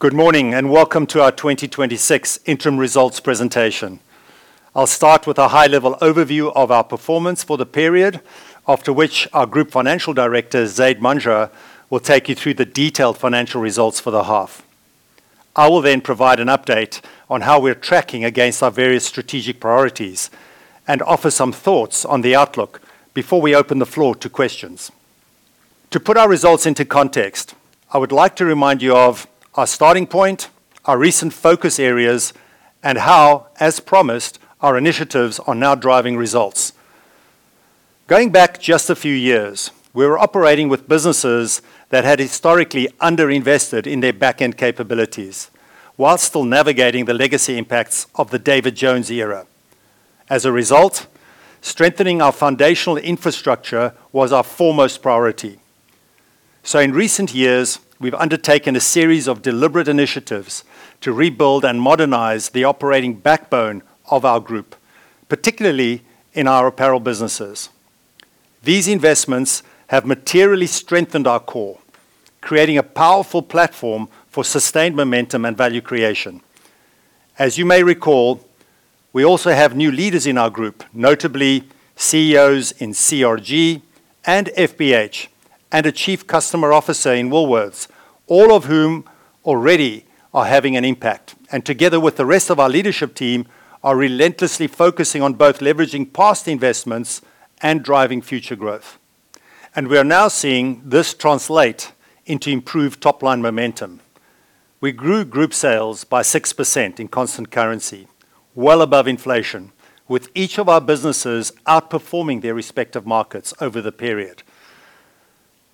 Good morning, and welcome to our 2026 interim results presentation. I'll start with a high-level overview of our performance for the period, after which our Group Financial Director, Zaid Manjra, will take you through the detailed financial results for the half. I will then provide an update on how we're tracking against our various strategic priorities and offer some thoughts on the outlook before we open the floor to questions. To put our results into context, I would like to remind you of our starting point, our recent focus areas, and how, as promised, our initiatives are now driving results. Going back just a few years, we were operating with businesses that had historically underinvested in their back-end capabilities while still navigating the legacy impacts of the David Jones era. As a result, strengthening our foundational infrastructure was our foremost priority. In recent years, we've undertaken a series of deliberate initiatives to rebuild and modernize the operating backbone of our Group, particularly in our apparel businesses. These investments have materially strengthened our core, creating a powerful platform for sustained momentum and value creation. As you may recall, we also have new leaders in our Group, notably CEOs in CRG and FBH, and a Chief Customer Officer in Woolworths, all of whom already are having an impact, and together with the rest of our leadership team, are relentlessly focusing on both leveraging past investments and driving future growth. We are now seeing this translate into improved top-line momentum. We grew Group sales by 6% in constant currency, well above inflation, with each of our businesses outperforming their respective markets over the period.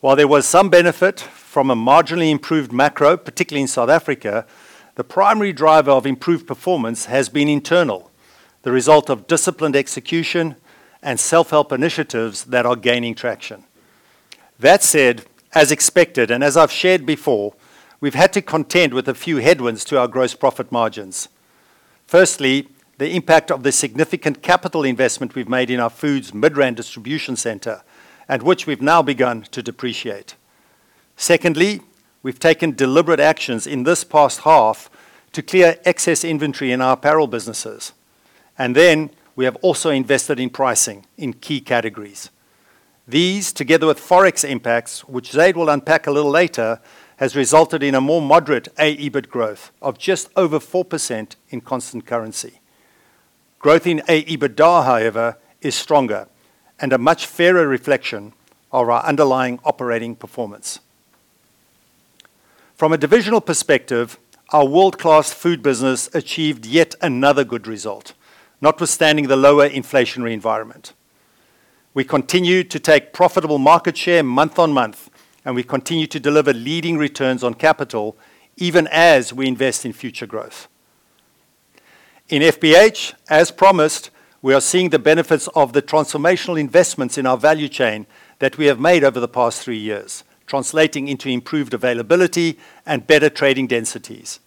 While there was some benefit from a marginally improved macro, particularly in South Africa, the primary driver of improved performance has been internal, the result of disciplined execution and self-help initiatives that are gaining traction. That said, as expected and as I've shared before, we've had to contend with a few headwinds to our gross profit margins. Firstly, the impact of the significant capital investment we've made in our food's Midrand distribution centre and which we've now begun to depreciate. Secondly, we've taken deliberate actions in this past half to clear excess inventory in our apparel businesses. We have also invested in pricing in key categories. These, together with forex impacts, which Zaid will unpack a little later, has resulted in a more moderate aEBIT growth of just over 4% in constant currency. Growth in aEBITDA, however, is stronger and a much fairer reflection of our underlying operating performance. From a divisional perspective, our world-class food business achieved yet another good result, notwithstanding the lower inflationary environment. We continue to take profitable market share month-on-month, and we continue to deliver leading returns on capital even as we invest in future growth. In FBH, as promised, we are seeing the benefits of the transformational investments in our value chain that we have made over the past three years, translating into improved availability and better trading densities.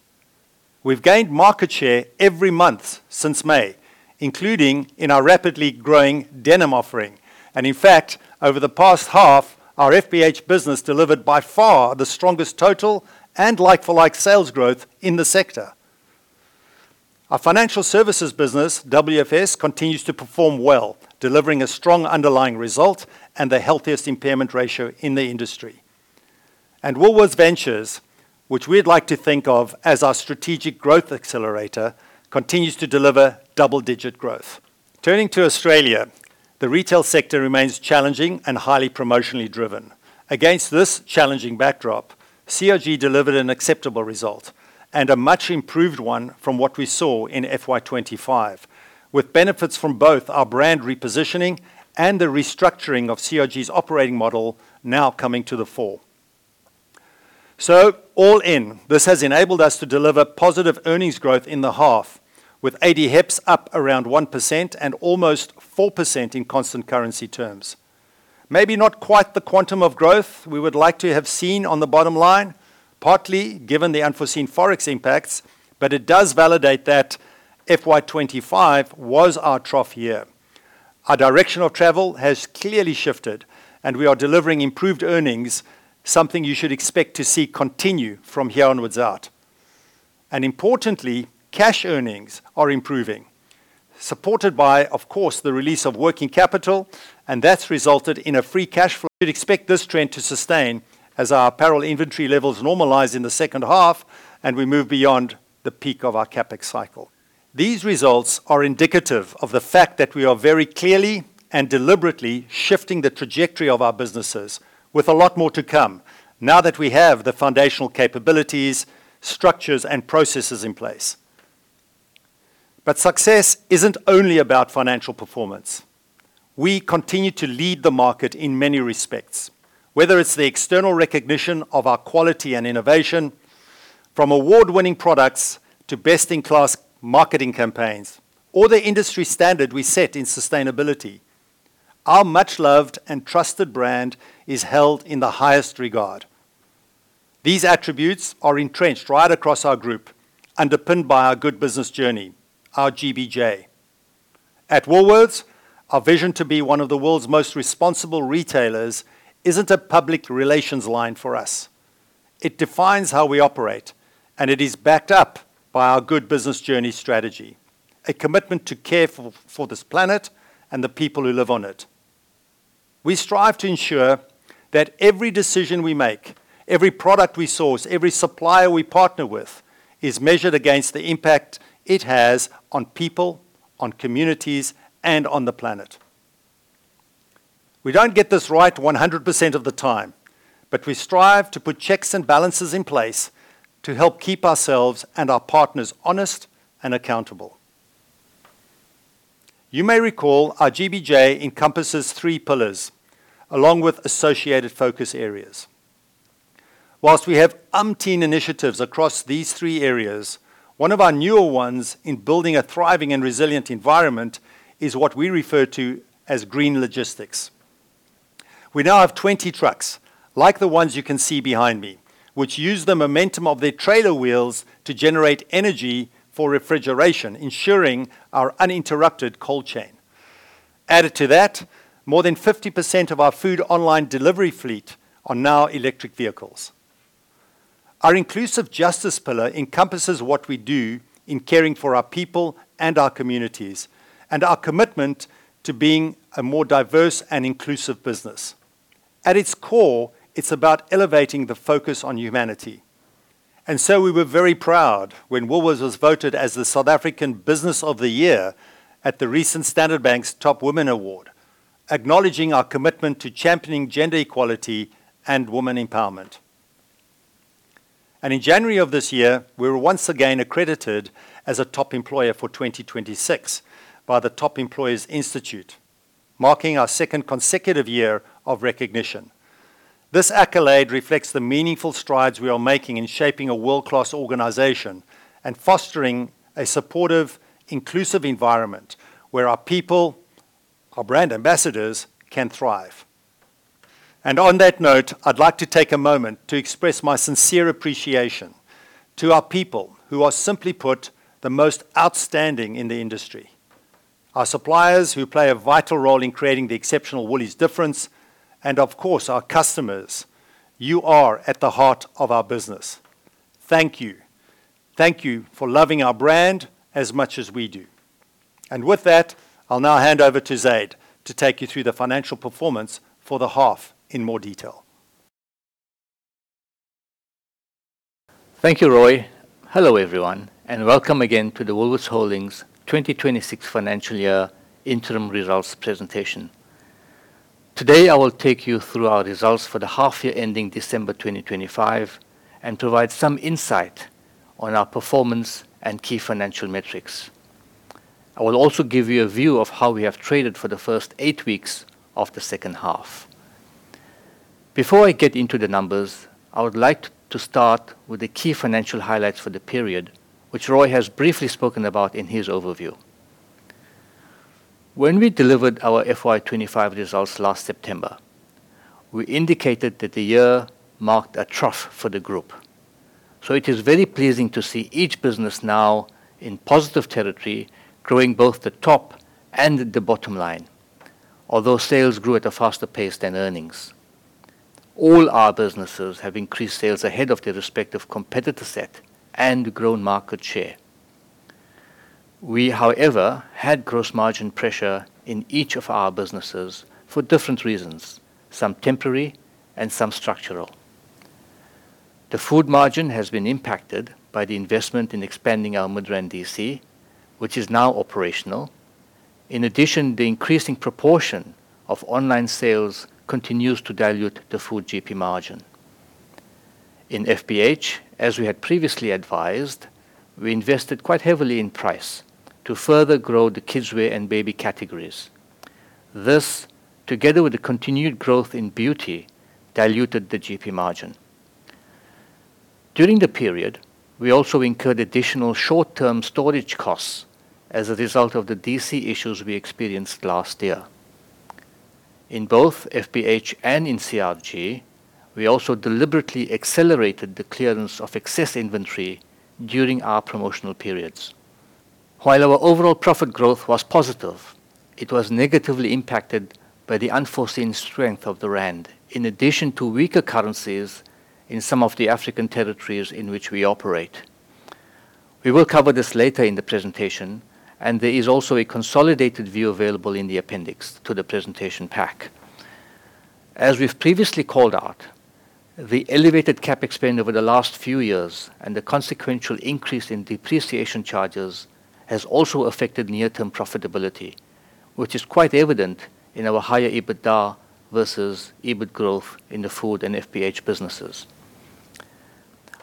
We've gained market share every month since May, including in our rapidly growing denim offering. In fact, over the past half, our FBH business delivered by far the strongest total and like-for-like sales growth in the sector. Our Financial Services business, WFS, continues to perform well, delivering a strong underlying result and the healthiest impairment ratio in the industry. Woolworths Ventures, which we'd like to think of as our strategic growth accelerator, continues to deliver double-digit growth. Turning to Australia, the retail sector remains challenging and highly promotionally driven. Against this challenging backdrop, CRG delivered an acceptable result and a much improved one from what we saw in FY 2025, with benefits from both our brand repositioning and the restructuring of CRG's operating model now coming to the fore. All in, this has enabled us to deliver positive earnings growth in the half, with adHEPS up around 1% and almost 4% in constant currency terms. Maybe not quite the quantum of growth we would like to have seen on the bottom line, partly given the unforeseen forex impacts, but it does validate that FY 2025 was our trough year. Our direction of travel has clearly shifted, and we are delivering improved earnings, something you should expect to see continue from here onwards out. Importantly, cash earnings are improving, supported by, of course, the release of working capital, and that's resulted in a free cash flow. We'd expect this trend to sustain as our apparel inventory levels normalize in the second half and we move beyond the peak of our CapEx cycle. These results are indicative of the fact that we are very clearly and deliberately shifting the trajectory of our businesses with a lot more to come now that we have the foundational capabilities, structures, and processes in place. Success isn't only about financial performance. We continue to lead the market in many respects, whether it's the external recognition of our quality and innovation from award-winning products to best-in-class marketing campaigns or the industry standard we set in sustainability. Our much-loved and trusted brand is held in the highest regard. These attributes are entrenched right across our group, underpinned by our Good Business Journey, our GBJ. At Woolworths, our vision to be one of the world's most responsible retailers isn't a public relations line for us. It defines how we operate, and it is backed up by our Good Business Journey strategy, a commitment to care for this planet and the people who live on it. We strive to ensure that every decision we make, every product we source, every supplier we partner with, is measured against the impact it has on people, on communities, and on the planet. We don't get this right 100% of the time. We strive to put checks and balances in place to help keep ourselves and our partners honest and accountable. You may recall our GBJ encompasses three pillars along with associated focus areas. We have umpteen initiatives across these three areas. One of our newer ones in building a thriving and resilient environment is what we refer to as green logistics. We now have 20 trucks, like the ones you can see behind me, which use the momentum of their trailer wheels to generate energy for refrigeration, ensuring our uninterrupted cold chain. Added to that, more than 50% of our food online delivery fleet are now electric vehicles. Our inclusive justice pillar encompasses what we do in caring for our people and our communities, our commitment to being a more diverse and inclusive business. At its core, it's about elevating the focus on humanity. We were very proud when Woolworths was voted as the South African Business of the Year at the recent Standard Bank Top Women Award, acknowledging our commitment to championing gender equality and women empowerment. In January of this year, we were once again accredited as a Top Employer for 2026 by the Top Employers Institute, marking our second consecutive year of recognition. This accolade reflects the meaningful strides we are making in shaping a world-class organization and fostering a supportive, inclusive environment where our people, our brand ambassadors, can thrive. On that note, I'd like to take a moment to express my sincere appreciation to our people who are simply put the most outstanding in the industry, our suppliers who play a vital role in creating the exceptional Woolies difference, and of course, our customers. You are at the heart of our business. Thank you. Thank you for loving our brand as much as we do. With that, I'll now hand over to Zaid to take you through the financial performance for the half in more detail. Thank you, Roy. Hello, everyone, welcome again to the Woolworths Holdings 2026 financial year interim results presentation. Today, I will take you through our results for the half year ending December 2025 and provide some insight on our performance and key financial metrics. I will also give you a view of how we have traded for the first eight weeks of the second half. Before I get into the numbers, I would like to start with the key financial highlights for the period, which Roy has briefly spoken about in his overview. When we delivered our FY 2025 results last September, we indicated that the year marked a trough for the group. It is very pleasing to see each business now in positive territory growing both the top and the bottom line. Although sales grew at a faster pace than earnings. All our businesses have increased sales ahead of their respective competitor set and grown market share. We, however, had gross margin pressure in each of our businesses for different reasons, some temporary and some structural. The food margin has been impacted by the investment in expanding our Midrand DC, which is now operational. The increasing proportion of online sales continues to dilute the food GP margin. In FBH, as we had previously advised, we invested quite heavily in price to further grow the kids' wear and baby categories. This, together with the continued growth in beauty, diluted the GP margin. During the period, we also incurred additional short-term storage costs as a result of the DC issues we experienced last year. In both FBH and in CRG, we also deliberately accelerated the clearance of excess inventory during our promotional periods. While our overall profit growth was positive, it was negatively impacted by the unforeseen strength of the rand, in addition to weaker currencies in some of the African territories in which we operate. We will cover this later in the presentation, and there is also a consolidated view available in the appendix to the presentation pack. As we've previously called out, the elevated CapEx spend over the last few years and the consequential increase in depreciation charges has also affected near-term profitability, which is quite evident in our higher EBITDA versus EBIT growth in the food and FBH businesses.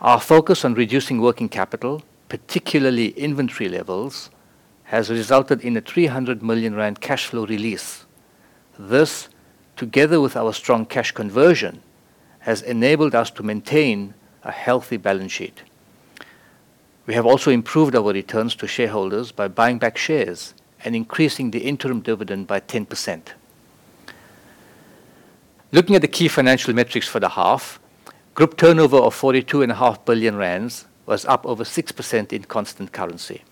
Our focus on reducing working capital, particularly inventory levels, has resulted in a 300 million rand cash flow release. This, together with our strong cash conversion, has enabled us to maintain a healthy balance sheet. We have also improved our returns to shareholders by buying back shares and increasing the interim dividend by 10%. Looking at the key financial metrics for the half, group turnover of 42 and a half billion was up over 6% in constant currency.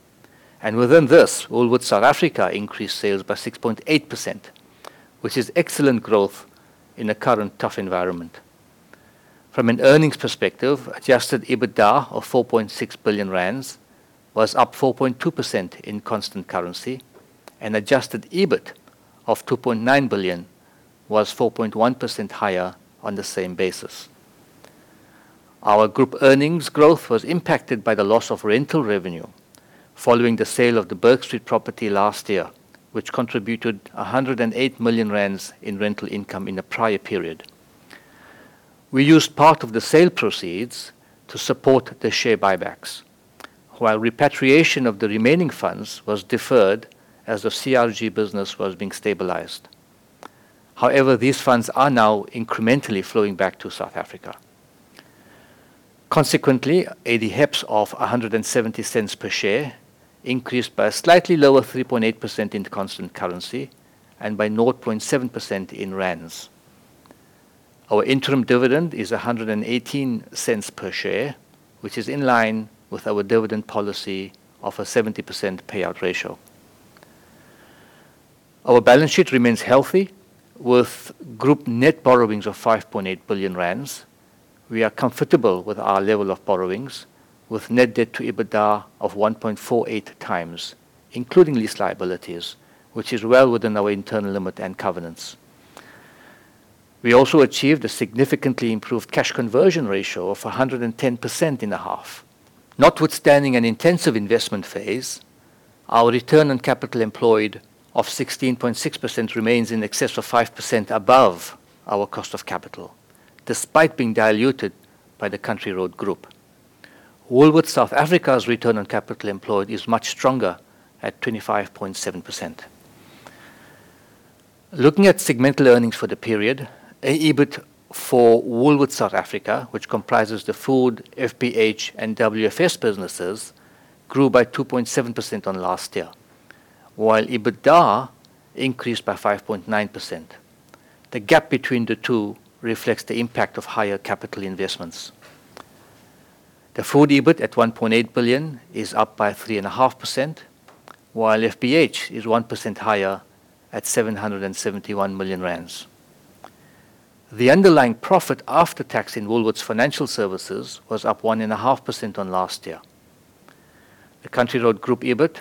Within this, Woolworths South Africa increased sales by 6.8%, which is excellent growth in a current tough environment. From an earnings perspective, adjusted EBITDA of 4.6 billion rand was up 4.2% in constant currency, and adjusted EBIT of 2.9 billion was 4.1% higher on the same basis. Our group earnings growth was impacted by the loss of rental revenue following the sale of the Berg Street property last year, which contributed 108 million rand in rental income in the prior period. We used part of the sale proceeds to support the share buybacks, while repatriation of the remaining funds was deferred as the CRG business was being stabilized. These funds are now incrementally flowing back to South Africa. adHEPS of 1.70 per share increased by a slightly lower 3.8% in constant currency and by 0.7% in ZAR. Our interim dividend is 1.18 per share, which is in line with our dividend policy of a 70% payout ratio. Our balance sheet remains healthy with group net borrowings of 5.8 billion rand. We are comfortable with our level of borrowings with net debt to EBITDA of 1.48x, including lease liabilities, which is well within our internal limit and covenants. We also achieved a significantly improved cash conversion ratio of 110% in the half. Notwithstanding an intensive investment phase, our return on capital employed of 16.6% remains in excess of 5% above our cost of capital, despite being diluted by the Country Road Group. Woolworths South Africa's return on capital employed is much stronger at 25.7%. Looking at segmental earnings for the period, aEBIT for Woolworths South Africa, which comprises the Food, FBH, and WFS businesses, grew by 2.7% on last year, while EBITDA increased by 5.9%. The gap between the two reflects the impact of higher capital investments. The Food EBIT at 1.8 billion is up by 3.5%, while FBH is 1% higher at 771 million rand. The underlying profit after tax in Woolworths Financial Services was up 1.5% on last year. The Country Road Group EBIT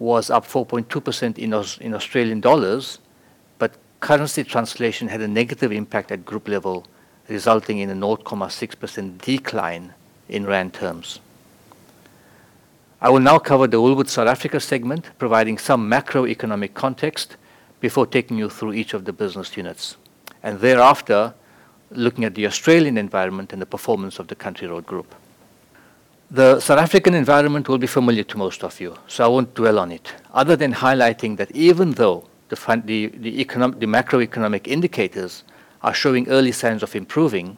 was up 4.2% in Australian dollars, currency translation had a negative impact at group level, resulting in a 0.6% decline in rand terms. I will now cover the Woolworths South Africa segment, providing some macroeconomic context before taking you through each of the business units, thereafter, looking at the Australian environment and the performance of the Country Road Group. The South African environment will be familiar to most of you, I won't dwell on it, other than highlighting that even though the macroeconomic indicators are showing early signs of improving,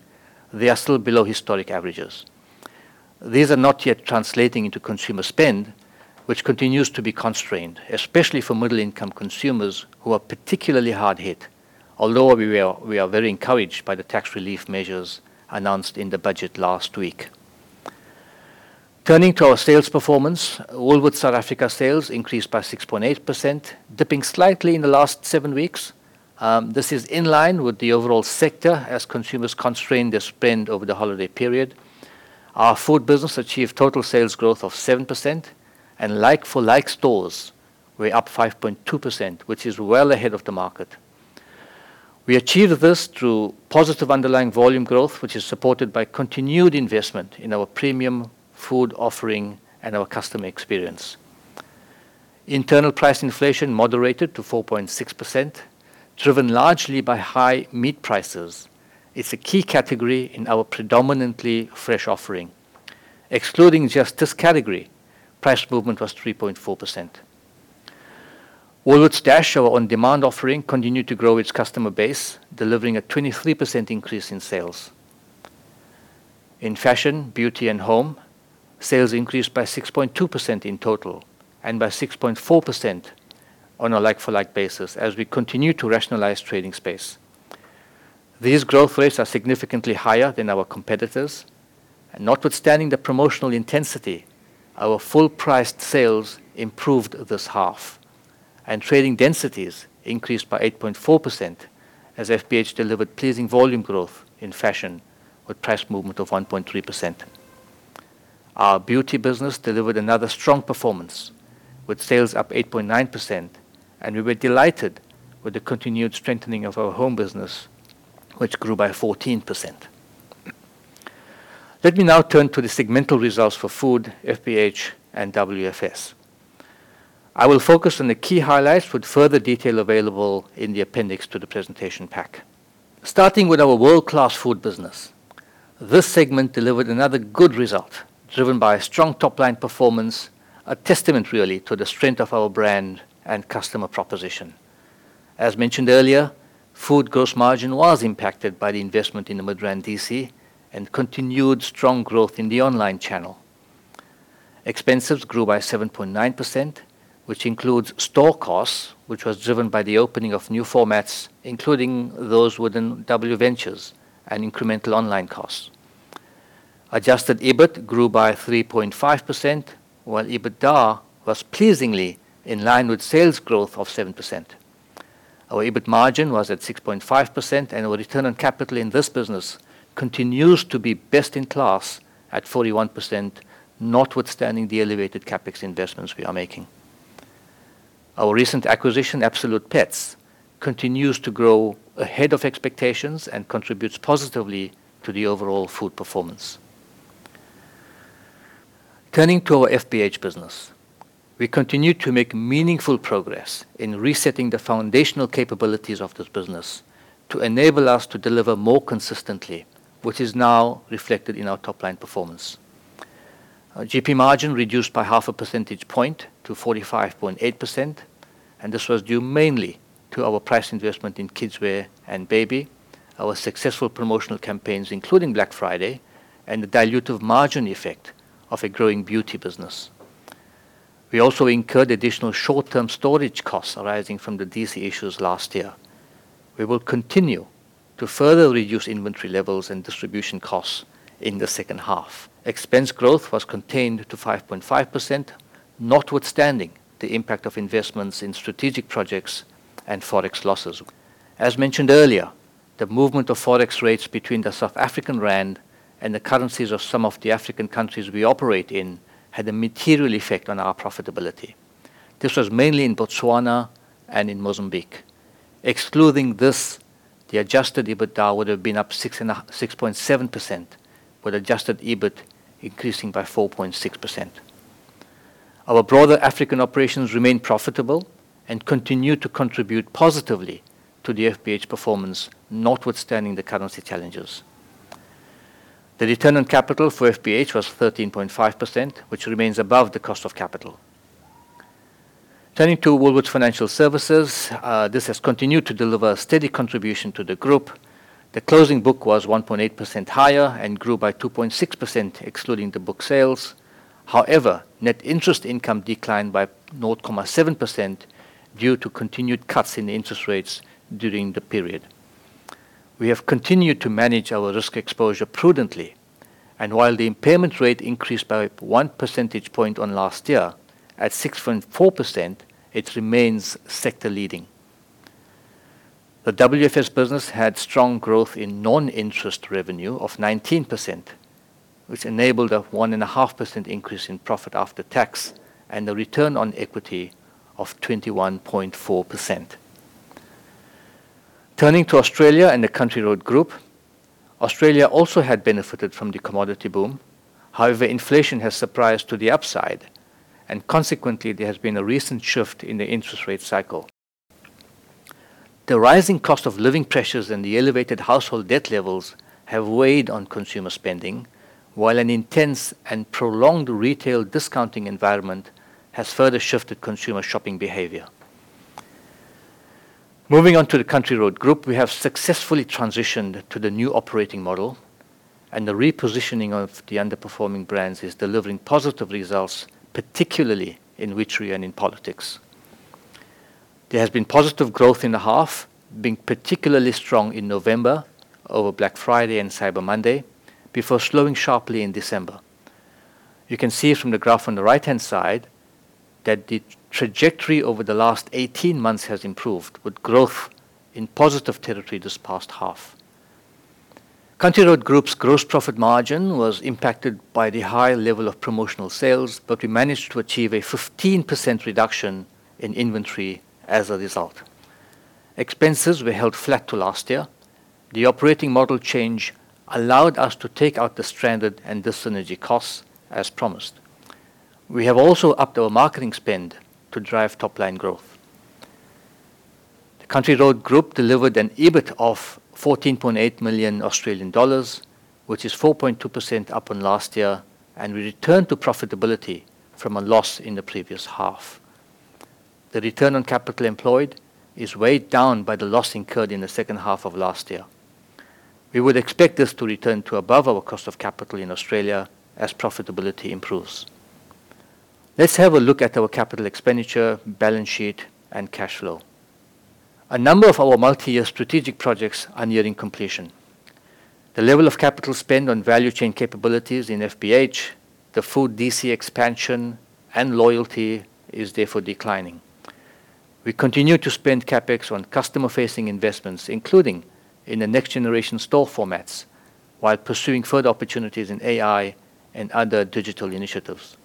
they are still below historic averages. These are not yet translating into consumer spend, which continues to be constrained, especially for middle-income consumers who are particularly hard hit. We are very encouraged by the tax relief measures announced in the budget last week. Turning to our sales performance, Woolworths South Africa sales increased by 6.8%, dipping slightly in the last seven weeks. This is in line with the overall sector as consumers constrain their spend over the holiday period. Our Food business achieved total sales growth of 7% and like-for-like stores were up 5.2%, which is well ahead of the market. We achieved this through positive underlying volume growth, which is supported by continued investment in our premium food offering and our customer experience. Internal price inflation moderated to 4.6%, driven largely by high meat prices. It's a key category in our predominantly fresh offering. Excluding just this category, price movement was 3.4%. Woolworths Dash, our on-demand offering, continued to grow its customer base, delivering a 23% increase in sales. In Fashion, Beauty and Home, sales increased by 6.2% in total and by 6.4% on a like-for-like basis as we continue to rationalize trading space. These growth rates are significantly higher than our competitors. Notwithstanding the promotional intensity, our full priced sales improved this half and trading densities increased by 8.4% as FBH delivered pleasing volume growth in fashion with price movement of 1.3%. Our beauty business delivered another strong performance with sales up 8.9%, and we were delighted with the continued strengthening of our home business, which grew by 14%. Let me now turn to the segmental results for Food, FBH, and WFS. I will focus on the key highlights with further detail available in the appendix to the presentation pack. Starting with our world-class Food business, this segment delivered another good result driven by a strong top-line performance, a testament really to the strength of our brand and customer proposition. As mentioned earlier, Food gross margin was impacted by the investment in the Midrand DC and continued strong growth in the online channel. Expenses grew by 7.9%, which includes store costs, which was driven by the opening of new formats, including those within WVentures and incremental online costs. Adjusted EBIT grew by 3.5%, while EBITDA was pleasingly in line with sales growth of 7%. Our EBIT margin was at 6.5%. Our return on capital in this business continues to be best in class at 41%, notwithstanding the elevated CapEx investments we are making. Our recent acquisition, Absolute Pets, continues to grow ahead of expectations and contributes positively to the overall food performance. Turning to our FBH business, we continue to make meaningful progress in resetting the foundational capabilities of this business to enable us to deliver more consistently, which is now reflected in our top-line performance. Our GP margin reduced by 0.5 percentage point to 45.8%. This was due mainly to our price investment in kids' wear and baby, our successful promotional campaigns, including Black Friday, and the dilutive margin effect of a growing beauty business. We also incurred additional short-term storage costs arising from the DC issues last year. We will continue to further reduce inventory levels and distribution costs in the second half. Expense growth was contained to 5.5%, notwithstanding the impact of investments in strategic projects and forex losses. As mentioned earlier, the movement of forex rates between the South African rand and the currencies of some of the African countries we operate in had a material effect on our profitability. This was mainly in Botswana and in Mozambique. Excluding this, the aEBITDA would have been up 6.7%, with aEBIT increasing by 4.6%. Our broader African operations remain profitable and continue to contribute positively to the FBH performance, notwithstanding the currency challenges. The return on capital for FBH was 13.5%, which remains above the cost of capital. Turning to Woolworths Financial Services, this has continued to deliver a steady contribution to the group. The closing book was 1.8% higher and grew by 2.6% excluding the book sales. Net interest income declined by 0.7% due to continued cuts in interest rates during the period. We have continued to manage our risk exposure prudently, and while the impairment rate increased by 1 percentage point on last year at 6.4%, it remains sector-leading. The WFS business had strong growth in non-interest revenue of 19%, which enabled a 1.5% increase in profit after tax and a return on equity of 21.4%. Turning to Australia and the Country Road Group, Australia also had benefited from the commodity boom. Inflation has surprised to the upside, and consequently, there has been a recent shift in the interest rate cycle. The rising cost of living pressures and the elevated household debt levels have weighed on consumer spending, while an intense and prolonged retail discounting environment has further shifted consumer shopping behavior. Moving on to the Country Road Group, we have successfully transitioned to the new operating model, and the repositioning of the underperforming brands is delivering positive results, particularly in Witchery and in Politix. There has been positive growth in the half, being particularly strong in November over Black Friday and Cyber Monday, before slowing sharply in December. You can see from the graph on the right-hand side that the trajectory over the last 18 months has improved with growth in positive territory this past half. Country Road Group's gross profit margin was impacted by the high level of promotional sales. We managed to achieve a 15% reduction in inventory as a result. Expenses were held flat to last year. The operating model change allowed us to take out the stranded and dis-synergy cost as promised. We have also upped our marketing spend to drive top-line growth. The Country Road Group delivered an EBIT of 14.8 million Australian dollars, which is 4.2% up on last year. We returned to profitability from a loss in the previous half. The return on capital employed is weighed down by the loss incurred in the second half of last year. We would expect this to return to above our cost of capital in Australia as profitability improves. Let's have a look at our capital expenditure, balance sheet, and cash flow. A number of our multi-year strategic projects are nearing completion. The level of capital spend on value chain capabilities in FBH, the Food DC expansion, and loyalty is therefore declining. We continue to spend CapEx on customer-facing investments, including in the next-generation store formats, while pursuing further opportunities in AI and other digital initiatives.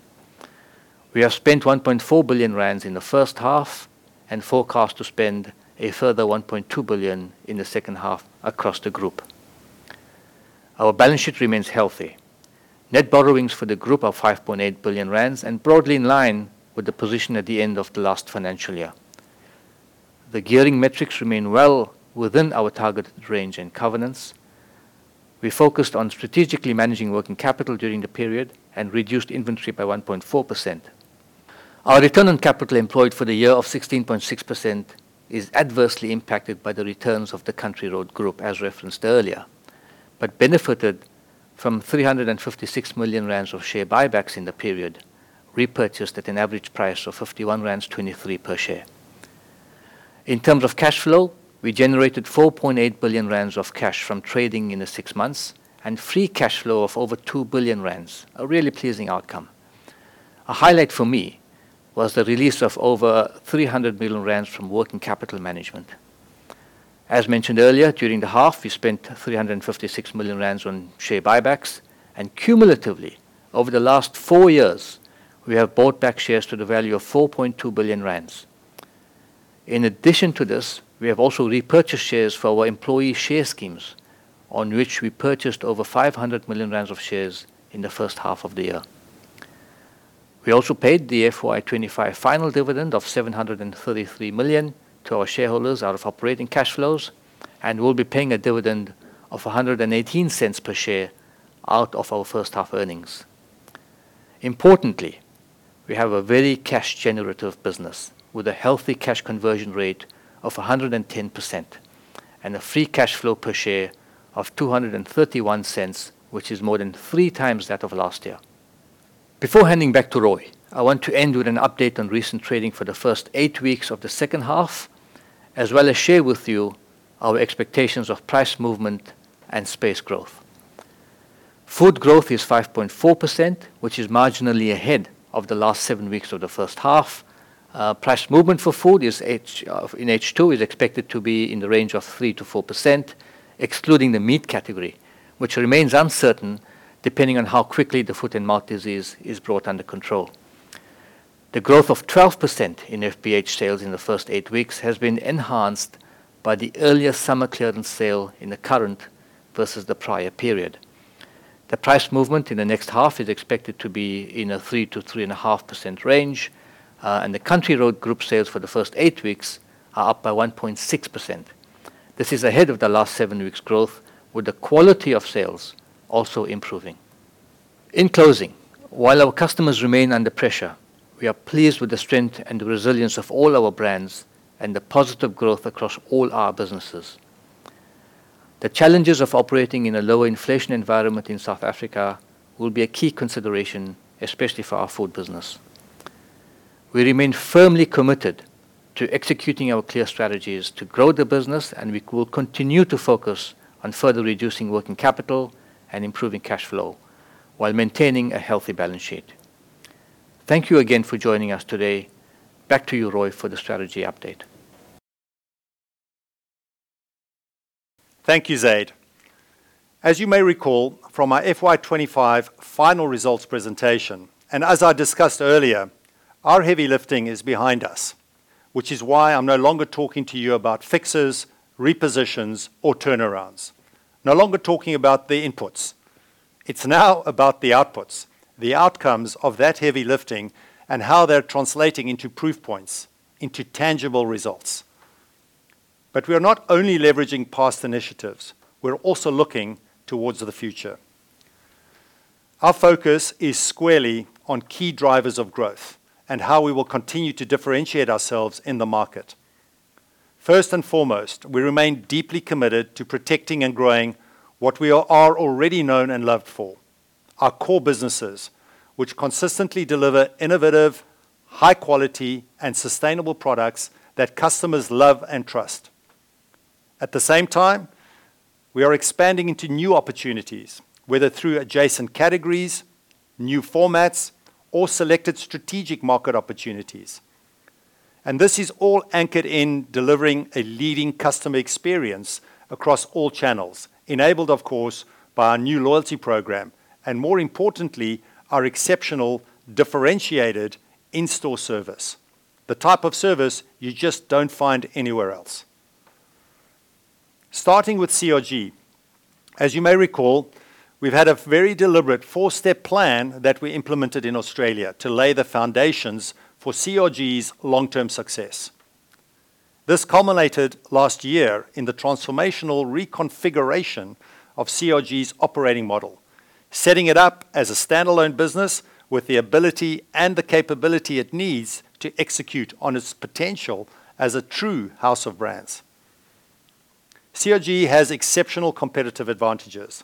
We have spent 1.4 billion rand in the first half and forecast to spend a further 1.2 billion in the second half across the group. Our balance sheet remains healthy. Net borrowings for the group are 5.8 billion rand and broadly in line with the position at the end of the last financial year. The gearing metrics remain well within our targeted range and covenants. We focused on strategically managing working capital during the period and reduced inventory by 1.4%. Our return on capital employed for the year of 16.6% is adversely impacted by the returns of the Country Road Group, as referenced earlier, but benefited from 356 million rand of share buybacks in the period, repurchased at an average price of 51.23 rand per share. In terms of cash flow, we generated 4.8 billion rand of cash from trading in the six months and free cash flow of over 2 billion rand, a really pleasing outcome. A highlight for me was the release of over 300 million rand from working capital management. As mentioned earlier, during the half, we spent 356 million rand on share buybacks, and cumulatively, over the last four years, we have bought back shares to the value of 4.2 billion rand. In addition to this, we have also repurchased shares for our employee share schemes, on which we purchased over 500 million rand of shares in the first half of the year. We also paid the FY 2025 final dividend of 733 million to our shareholders out of operating cash flows. We'll be paying a dividend of 1.18 per share out of our first half earnings. Importantly, we have a very cash-generative business with a healthy cash conversion rate of 110% and a free cash flow per share of 2.31, which is more than three times that of last year. Before handing back to Roy, I want to end with an update on recent trading for the first eight weeks of the second half, as well as share with you our expectations of price movement and space growth. Food growth is 5.4%, which is marginally ahead of the last seven weeks of the first half. Price movement for food in H2 is expected to be in the range of 3%-4%, excluding the meat category, which remains uncertain depending on how quickly the foot-and-mouth disease is brought under control. The growth of 12% in FBH sales in the first eight weeks has been enhanced by the earlier summer clearance sale in the current versus the prior period. The price movement in the next half is expected to be in a 3%-3.5% range. The Country Road Group sales for the first eight weeks are up by 1.6%. This is ahead of the last seven weeks growth, with the quality of sales also improving. In closing, while our customers remain under pressure, we are pleased with the strength and the resilience of all our brands and the positive growth across all our businesses. The challenges of operating in a lower inflation environment in South Africa will be a key consideration, especially for our food business. We remain firmly committed to executing our clear strategies to grow the business. We will continue to focus on further reducing working capital and improving cash flow while maintaining a healthy balance sheet. Thank you again for joining us today. Back to you, Roy, for the strategy update. Thank you, Zaid. As you may recall from our FY 2025 final results presentation, as I discussed earlier, our heavy lifting is behind us, which is why I'm no longer talking to you about fixes, repositions or turnarounds. No longer talking about the inputs. It's now about the outputs, the outcomes of that heavy lifting and how they're translating into proof points, into tangible results. We are not only leveraging past initiatives, we're also looking towards the future. Our focus is squarely on key drivers of growth and how we will continue to differentiate ourselves in the market. First and foremost, we remain deeply committed to protecting and growing what we are already known and loved for, our core businesses, which consistently deliver innovative, high-quality, and sustainable products that customers love and trust. At the same time, we are expanding into new opportunities, whether through adjacent categories, new formats, or selected strategic market opportunities. This is all anchored in delivering a leading customer experience across all channels, enabled, of course, by our new loyalty program and, more importantly, our exceptional differentiated in-store service, the type of service you just don't find anywhere else. Starting with CRG, as you may recall, we've had a very deliberate four-step plan that we implemented in Australia to lay the foundations for CRG's long-term success. This culminated last year in the transformational reconfiguration of CRG's operating model, setting it up as a standalone business with the ability and the capability it needs to execute on its potential as a true house of brands. COG has exceptional competitive advantages,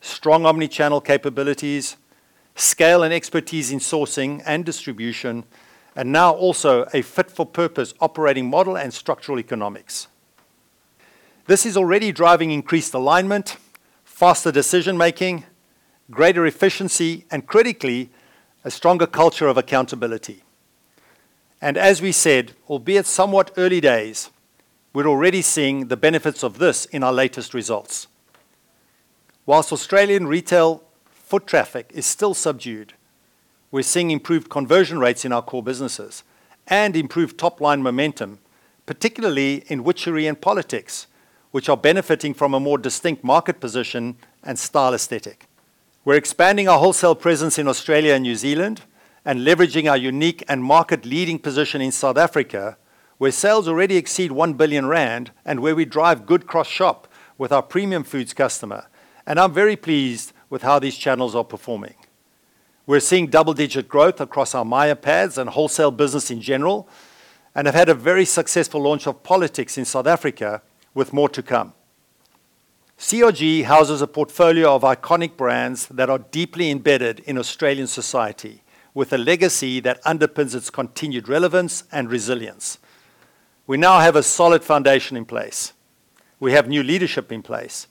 strong omnichannel capabilities, scale and expertise in sourcing and distribution, and now also a fit-for-purpose operating model and structural economics. This is already driving increased alignment, faster decision-making, greater efficiency, and critically, a stronger culture of accountability. As we said, albeit somewhat early days, we're already seeing the benefits of this in our latest results. Whilst Australian retail foot traffic is still subdued, we're seeing improved conversion rates in our core businesses and improved top-line momentum, particularly in Witchery and Politix, which are benefiting from a more distinct market position and style aesthetic. We're expanding our wholesale presence in Australia and New Zealand and leveraging our unique and market-leading position in South Africa, where sales already exceed 1 billion rand and where we drive good cross-shop with our premium foods customer, and I'm very pleased with how these channels are performing. We're seeing double-digit growth across our Myer pads and wholesale business in general, and have had a very successful launch of Politix in South Africa with more to come. CRG houses a portfolio of iconic brands that are deeply embedded in Australian society with a legacy that underpins its continued relevance and resilience. We now have a solid foundation in place. We have new leadership in place,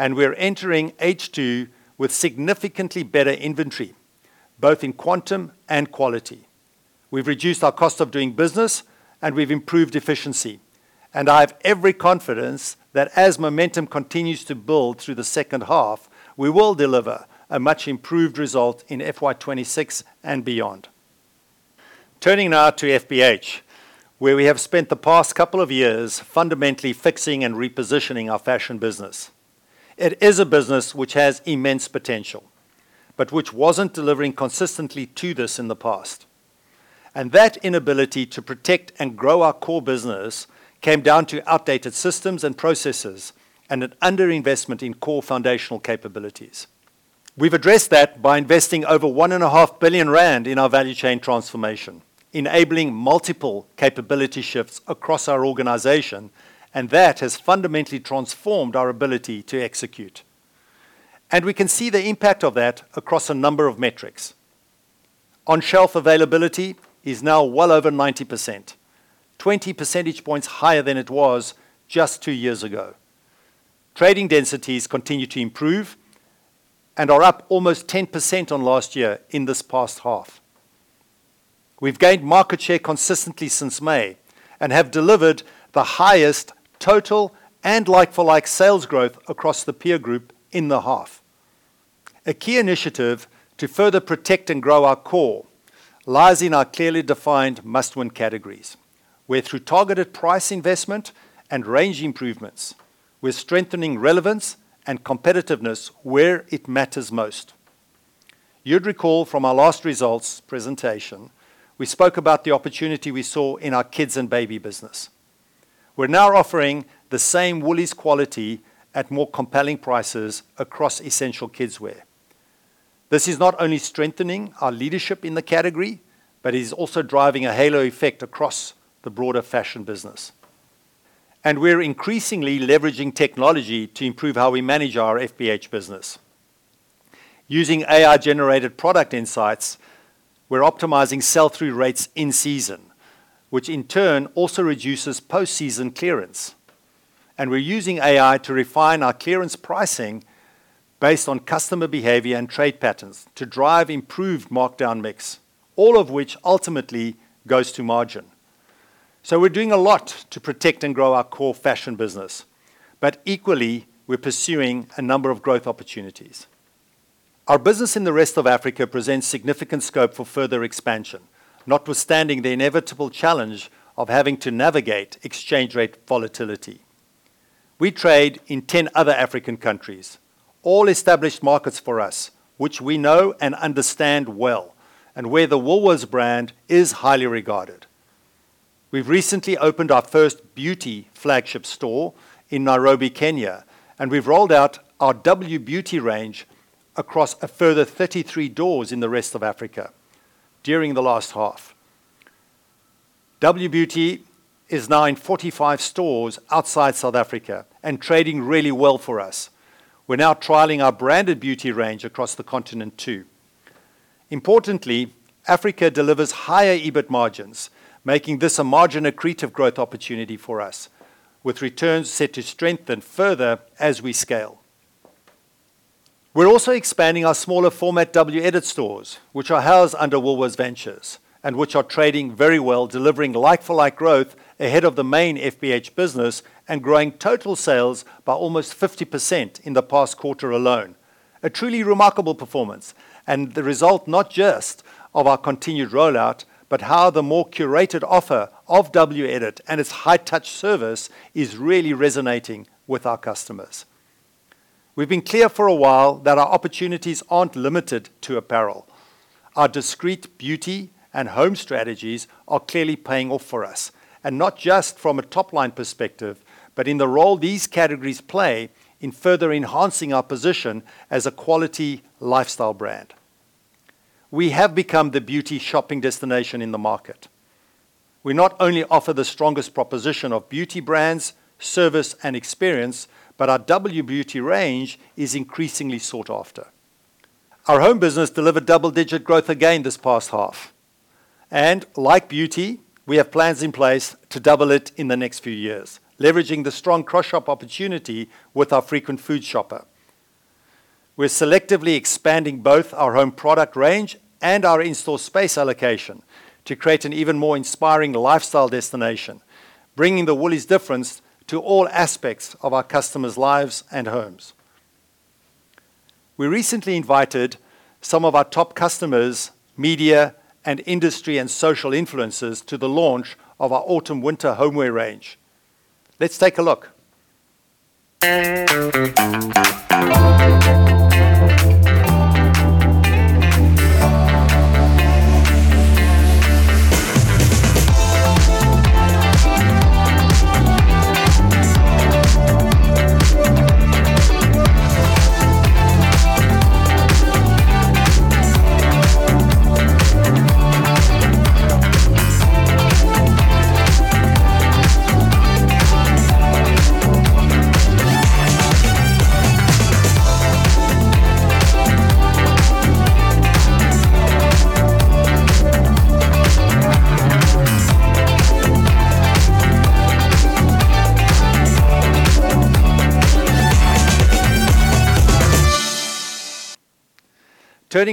and we're entering H2 with significantly better inventory, both in quantum and quality. We've reduced our cost of doing business and we've improved efficiency, and I have every confidence that as momentum continues to build through the second half, we will deliver a much-improved result in FY 2026 and beyond. Turning now to FBH, where we have spent the past couple of years fundamentally fixing and repositioning our fashion business. It is a business which has immense potential, which wasn't delivering consistently to this in the past. That inability to protect and grow our core business came down to outdated systems and processes and an underinvestment in core foundational capabilities. We've addressed that by investing over 1.5 billion rand in our value chain transformation, enabling multiple capability shifts across our organization, and that has fundamentally transformed our ability to execute. We can see the impact of that across a number of metrics. On shelf availability is now well over 90%, 20 percentage points higher than it was just two years ago. Trading densities continue to improve and are up almost 10% on last year in this past half. We've gained market share consistently since May and have delivered the highest total and like-for-like sales growth across the peer group in the half. A key initiative to further protect and grow our core lies in our clearly defined must-win categories, where through targeted price investment and range improvements, we're strengthening relevance and competitiveness where it matters most. You'd recall from our last results presentation, we spoke about the opportunity we saw in our kids and baby business. We're now offering the same Woolies quality at more compelling prices across essential kids' wear. This is not only strengthening our leadership in the category, but is also driving a halo effect across the broader fashion business. We're increasingly leveraging technology to improve how we manage our FBH business. Using AI-generated product insights, we're optimizing sell-through rates in season, which in turn also reduces post-season clearance. We're using AI to refine our clearance pricing based on customer behavior and trade patterns to drive improved markdown mix, all of which ultimately goes to margin. We're doing a lot to protect and grow our core fashion business, but equally, we're pursuing a number of growth opportunities. Our business in the rest of Africa presents significant scope for further expansion, notwithstanding the inevitable challenge of having to navigate exchange rate volatility. We trade in 10 other African countries, all established markets for us, which we know and understand well, and where the Woolworths brand is highly regarded. We've recently opened our first beauty flagship store in Nairobi, Kenya, and we've rolled out our WBEAUTY range across a further 33 doors in the rest of Africa during the last half. WBEAUTY is now in 45 stores outside South Africa and trading really well for us. We're now trialing our branded beauty range across the continent, too. Importantly, Africa delivers higher EBIT margins, making this a margin accretive growth opportunity for us, with returns set to strengthen further as we scale. We're also expanding our smaller format WEdit stores, which are housed under Woolworths Ventures and which are trading very well, delivering like-for-like growth ahead of the main FBH business and growing total sales by almost 50% in the past quarter alone. A truly remarkable performance and the result not just of our continued rollout, but how the more curated offer of WEdit and its high-touch service is really resonating with our customers. We've been clear for a while that our opportunities aren't limited to apparel. Our discrete beauty and home strategies are clearly paying off for us, and not just from a top-line perspective, but in the role these categories play in further enhancing our position as a quality lifestyle brand. We have become the beauty shopping destination in the market. We not only offer the strongest proposition of beauty brands, service, and experience, but our WBEAUTY range is increasingly sought after. Our home business delivered double-digit growth again this past half. Like beauty, we have plans in place to double it in the next few years, leveraging the strong cross-shop opportunity with our frequent food shopper. We're selectively expanding both our home product range and our in-store space allocation to create an even more inspiring lifestyle destination, bringing the Woolies difference to all aspects of our customers' lives and homes. We recently invited some of our top customers, media, and industry and social influencers to the launch of our autumn/winter homeware range. Let's take a look.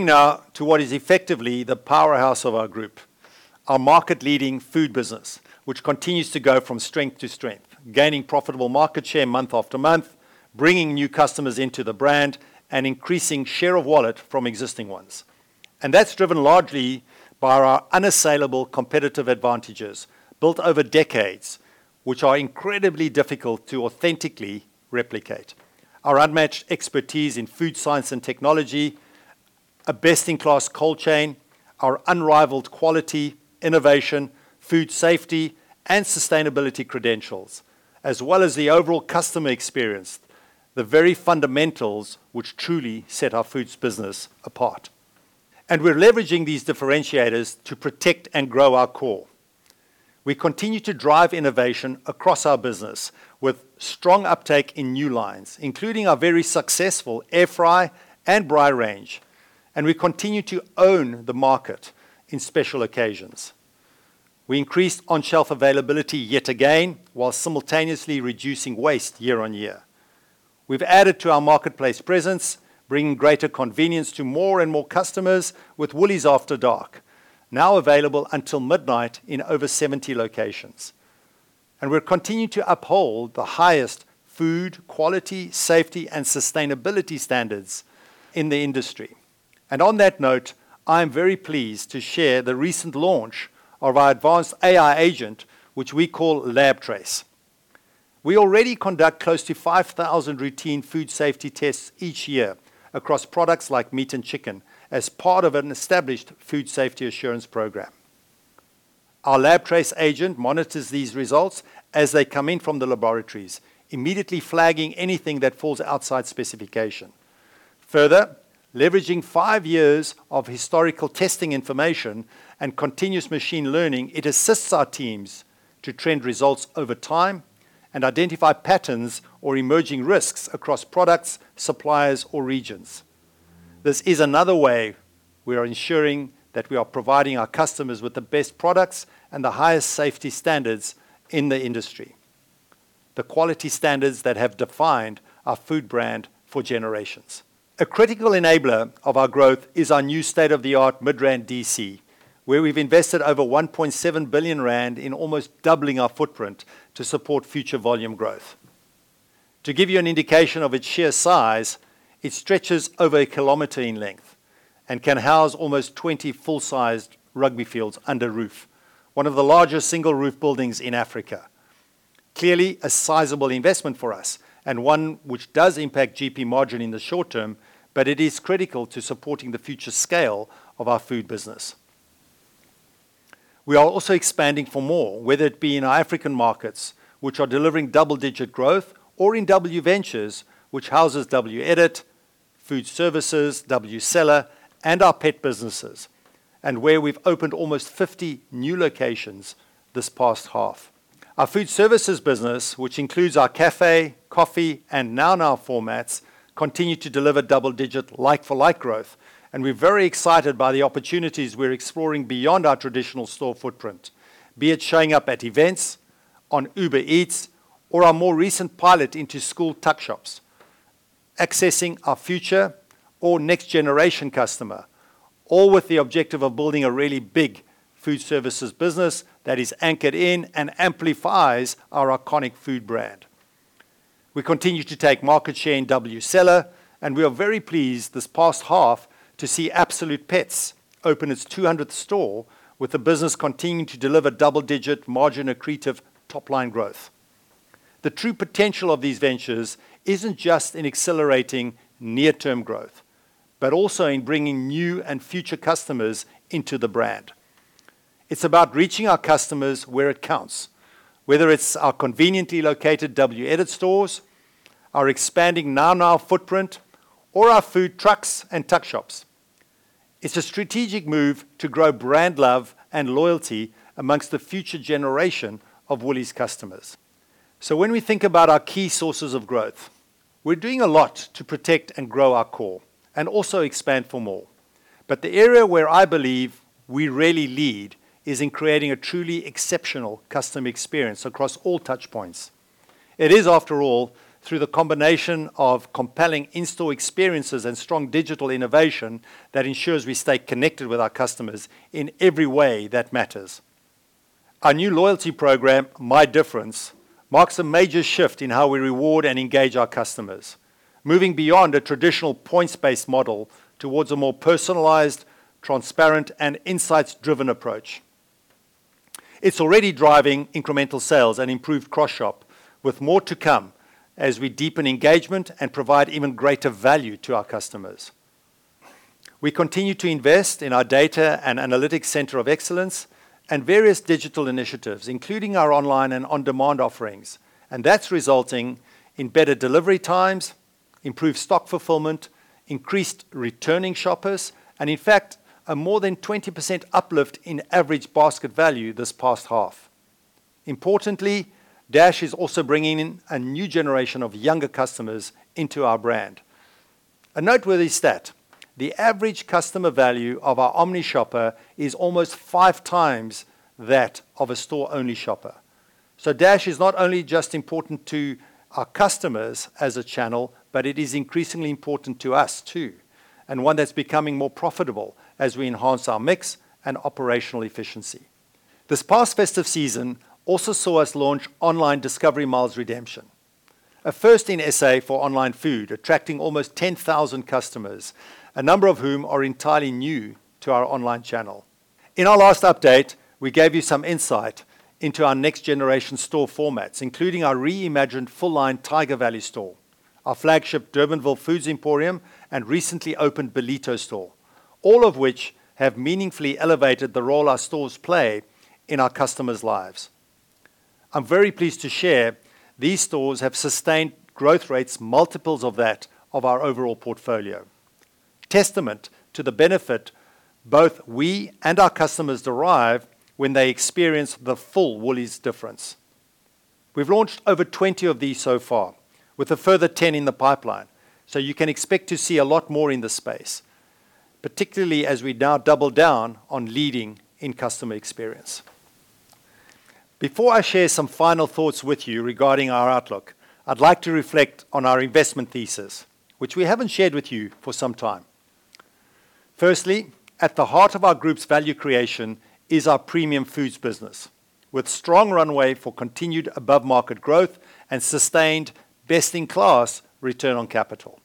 Turning now to what is effectively the powerhouse of our group, our market-leading Food business, which continues to go from strength to strength, gaining profitable market share month after month, bringing new customers into the brand and increasing share of wallet from existing ones. That's driven largely by our unassailable competitive advantages built over decades, which are incredibly difficult to authentically replicate. Our unmatched expertise in food science and technology, a best-in-class cold chain, our unrivaled quality, innovation, food safety, and sustainability credentials, as well as the overall customer experience, the very fundamentals which truly set our Food business apart. We're leveraging these differentiators to protect and grow our core. We continue to drive innovation across our business with strong uptake in new lines, including our very successful Air Fry and Braai range, and we continue to own the market in special occasions. We increased on-shelf availability yet again, while simultaneously reducing waste year-on-year. We've added to our marketplace presence, bringing greater convenience to more and more customers with Woolies After Dark, now available until midnight in over 70 locations. We're continuing to uphold the highest food quality, safety, and sustainability standards in the industry. On that note, I am very pleased to share the recent launch of our advanced AI agent, which we call Lab Trace. We already conduct close to 5,000 routine food safety tests each year across products like meat and chicken as part of an established food safety assurance program. Our Lab Trace agent monitors these results as they come in from the laboratories, immediately flagging anything that falls outside specification. Further, leveraging five years of historical testing information and continuous machine learning, it assists our teams to trend results over time and identify patterns or emerging risks across products, suppliers, or regions. This is another way we are ensuring that we are providing our customers with the best products and the highest safety standards in the industry. The quality standards that have defined our food brand for generations. A critical enabler of our growth is our new state-of-the-art Midrand DC, where we've invested over 1.7 billion rand in almost doubling our footprint to support future volume growth. To give you an indication of its sheer size, it stretches over a kilometer in length and can house almost 20 full-sized rugby fields under roof. One of the largest single-roof buildings in Africa. Clearly, a sizable investment for us, and one which does impact GP margin in the short term, but it is critical to supporting the future scale of our food business. We are also expanding for more, whether it be in our African markets, which are delivering double-digit growth, or in WVentures, which houses WEdit, Food Services, WCellar, and our pet businesses, and where we've opened almost 50 new locations this past half. Our Food Services business, which includes our café, coffee, and NOW NOW formats, continue to deliver double-digit like-for-like growth, and we're very excited by the opportunities we're exploring beyond our traditional store footprint, be it showing up at events, on Uber Eats, or our more recent pilot into school tuckshops, accessing our future or next generation customer, all with the objective of building a really big Food Services business that is anchored in and amplifies our iconic food brand. We continue to take market share in WCellar, and we are very pleased this past half to see Absolute Pets open its 200th store with the business continuing to deliver double-digit margin accretive top-line growth. The true potential of these ventures isn't just in accelerating near-term growth, but also in bringing new and future customers into the brand. It's about reaching our customers where it counts, whether it's our conveniently located WEdit stores, our expanding NOW NOW footprint, or our food trucks and tuckshops. It's a strategic move to grow brand love and loyalty amongst the future generation of Woolies customers. When we think about our key sources of growth, we're doing a lot to protect and grow our core and also expand for more. The area where I believe we really lead is in creating a truly exceptional customer experience across all touch points. It is, after all, through the combination of compelling in-store experiences and strong digital innovation that ensures we stay connected with our customers in every way that matters. Our new loyalty program, My Difference, marks a major shift in how we reward and engage our customers, moving beyond a traditional points-based model towards a more personalized, transparent, and insights-driven approach. It's already driving incremental sales and improved cross shop with more to come as we deepen engagement and provide even greater value to our customers. We continue to invest in our data and analytics centre of excellence and various digital initiatives, including our online and on-demand offerings. That's resulting in better delivery times, improved stock fulfillment, increased returning shoppers, and in fact, a more than 20% uplift in average basket value this past half. Importantly, Dash is also bringing in a new generation of younger customers into our brand. A noteworthy stat, the average customer value of our omni shopper is almost five times that of a store-only shopper. Dash is not only just important to our customers as a channel, but it is increasingly important to us too, and one that's becoming more profitable as we enhance our mix and operational efficiency. This past festive season also saw us launch online Discovery Miles redemption, a first in SA for online food, attracting almost 10,000 customers, a number of whom are entirely new to our online channel. In our last update, we gave you some insight into our next-generation store formats, including our reimagined full-line Tygervalley store, our flagship Durbanville Foods Emporium, and recently opened Ballito store, all of which have meaningfully elevated the role our stores play in our customers' lives. I'm very pleased to share these stores have sustained growth rates multiples of that of our overall portfolio, testament to the benefit both we and our customers derive when they experience the full Woolies difference. We've launched over 20 of these so far, with a further 10 in the pipeline. You can expect to see a lot more in this space, particularly as we now double down on leading in customer experience. Before I share some final thoughts with you regarding our outlook, I'd like to reflect on our investment thesis, which we haven't shared with you for some time. Firstly, at the heart of our group's value creation is our premium foods business, with strong runway for continued above-market growth and sustained best-in-class return on capital.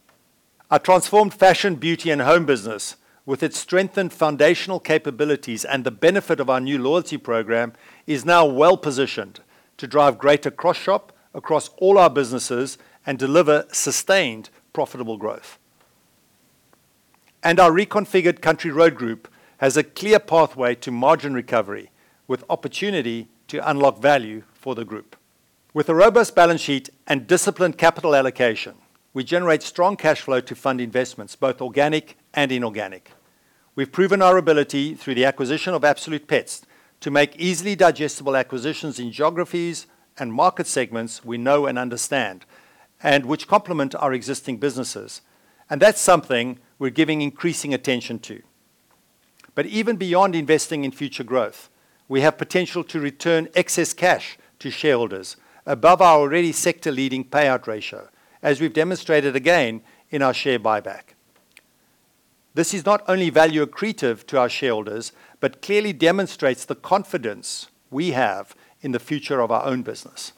Our transformed Fashion, Beauty and Home business, with its strengthened foundational capabilities and the benefit of our new loyalty program, is now well-positioned to drive greater cross-shop across all our businesses and deliver sustained profitable growth. Our reconfigured Country Road Group has a clear pathway to margin recovery, with opportunity to unlock value for the group. With a robust balance sheet and disciplined capital allocation, we generate strong cash flow to fund investments, both organic and inorganic. We've proven our ability through the acquisition of Absolute Pets to make easily digestible acquisitions in geographies and market segments we know and understand, and which complement our existing businesses. That's something we're giving increasing attention to. Even beyond investing in future growth, we have potential to return excess cash to shareholders above our already sector-leading payout ratio, as we've demonstrated again in our share buyback. This is not only value accretive to our shareholders, but clearly demonstrates the confidence we have in the future of our own business.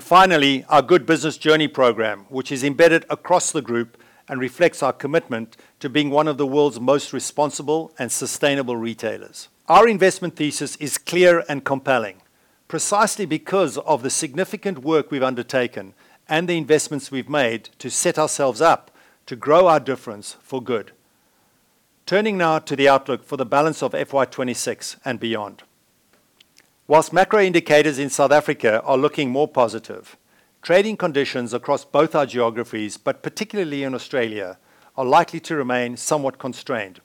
Finally, our Good Business Journey Program, which is embedded across the group and reflects our commitment to being one of the world's most responsible and sustainable retailers. Our investment thesis is clear and compelling, precisely because of the significant work we've undertaken and the investments we've made to set ourselves up to grow our difference for good. Turning now to the outlook for the balance of FY 2026 and beyond. Whilst macro indicators in South Africa are looking more positive, trading conditions across both our geographies, but particularly in Australia, are likely to remain somewhat constrained.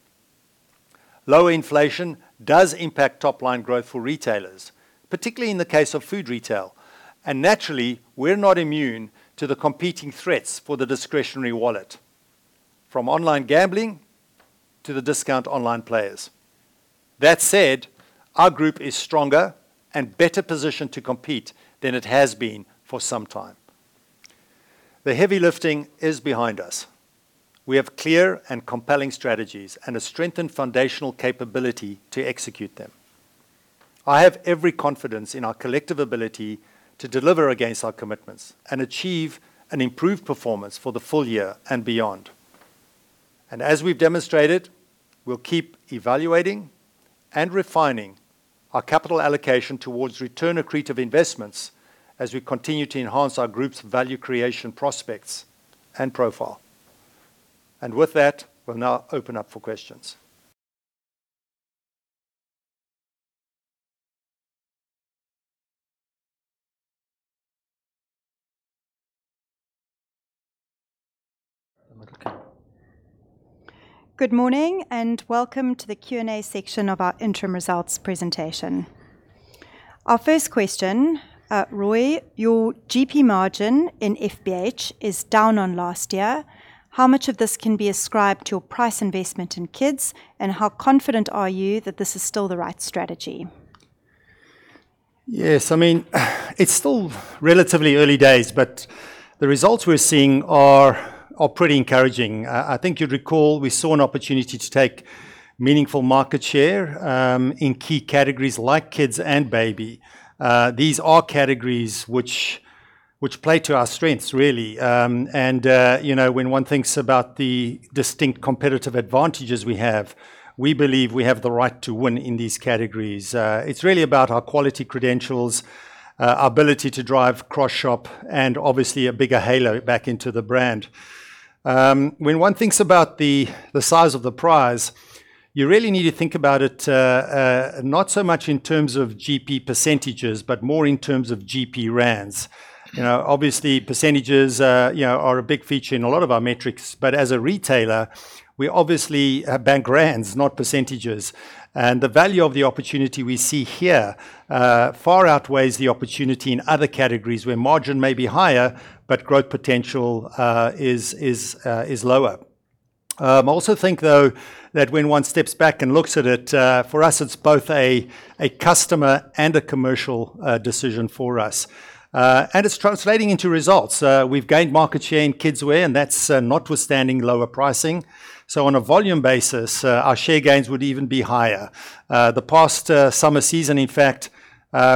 Lower inflation does impact top-line growth for retailers, particularly in the case of food retail. Naturally, we're not immune to the competing threats for the discretionary wallet, from online gambling to the discount online players. That said, our group is stronger and better positioned to compete than it has been for some time. The heavy lifting is behind us. We have clear and compelling strategies and a strengthened foundational capability to execute them. I have every confidence in our collective ability to deliver against our commitments and achieve an improved performance for the full year and beyond. As we've demonstrated, we'll keep evaluating and refining our capital allocation towards return accretive investments as we continue to enhance our group's value creation prospects and profile. With that, we'll now open up for questions. Good morning, welcome to the Q&A section of our interim results presentation. Our first question, Roy, your GP margin in FBH is down on last year. How much of this can be ascribed to your price investment in kids, and how confident are you that this is still the right strategy? Yes. I mean, it's still relatively early days, but the results we're seeing are pretty encouraging. I think you'd recall we saw an opportunity to take meaningful market share in key categories like kids and baby. These are categories which play to our strengths, really. And, you know, when one thinks about the distinct competitive advantages we have, we believe we have the right to win in these categories. It's really about our quality credentials, our ability to drive cross-shop and obviously a bigger halo back into the brand. When one thinks about the size of the prize, you really need to think about it not so much in terms of GP percentages, but more in terms of GP rands. You know, obviously, percentages, you know, are a big feature in a lot of our metrics, but as a retailer, we obviously bank rands, not percentages. The value of the opportunity we see here far outweighs the opportunity in other categories where margin may be higher, but growth potential is lower. I also think though that when one steps back and looks at it, for us it's both a customer and a commercial decision for us. It's translating into results. We've gained market share in kids' wear, that's notwithstanding lower pricing. On a volume basis, our share gains would even be higher. The past summer season, in fact,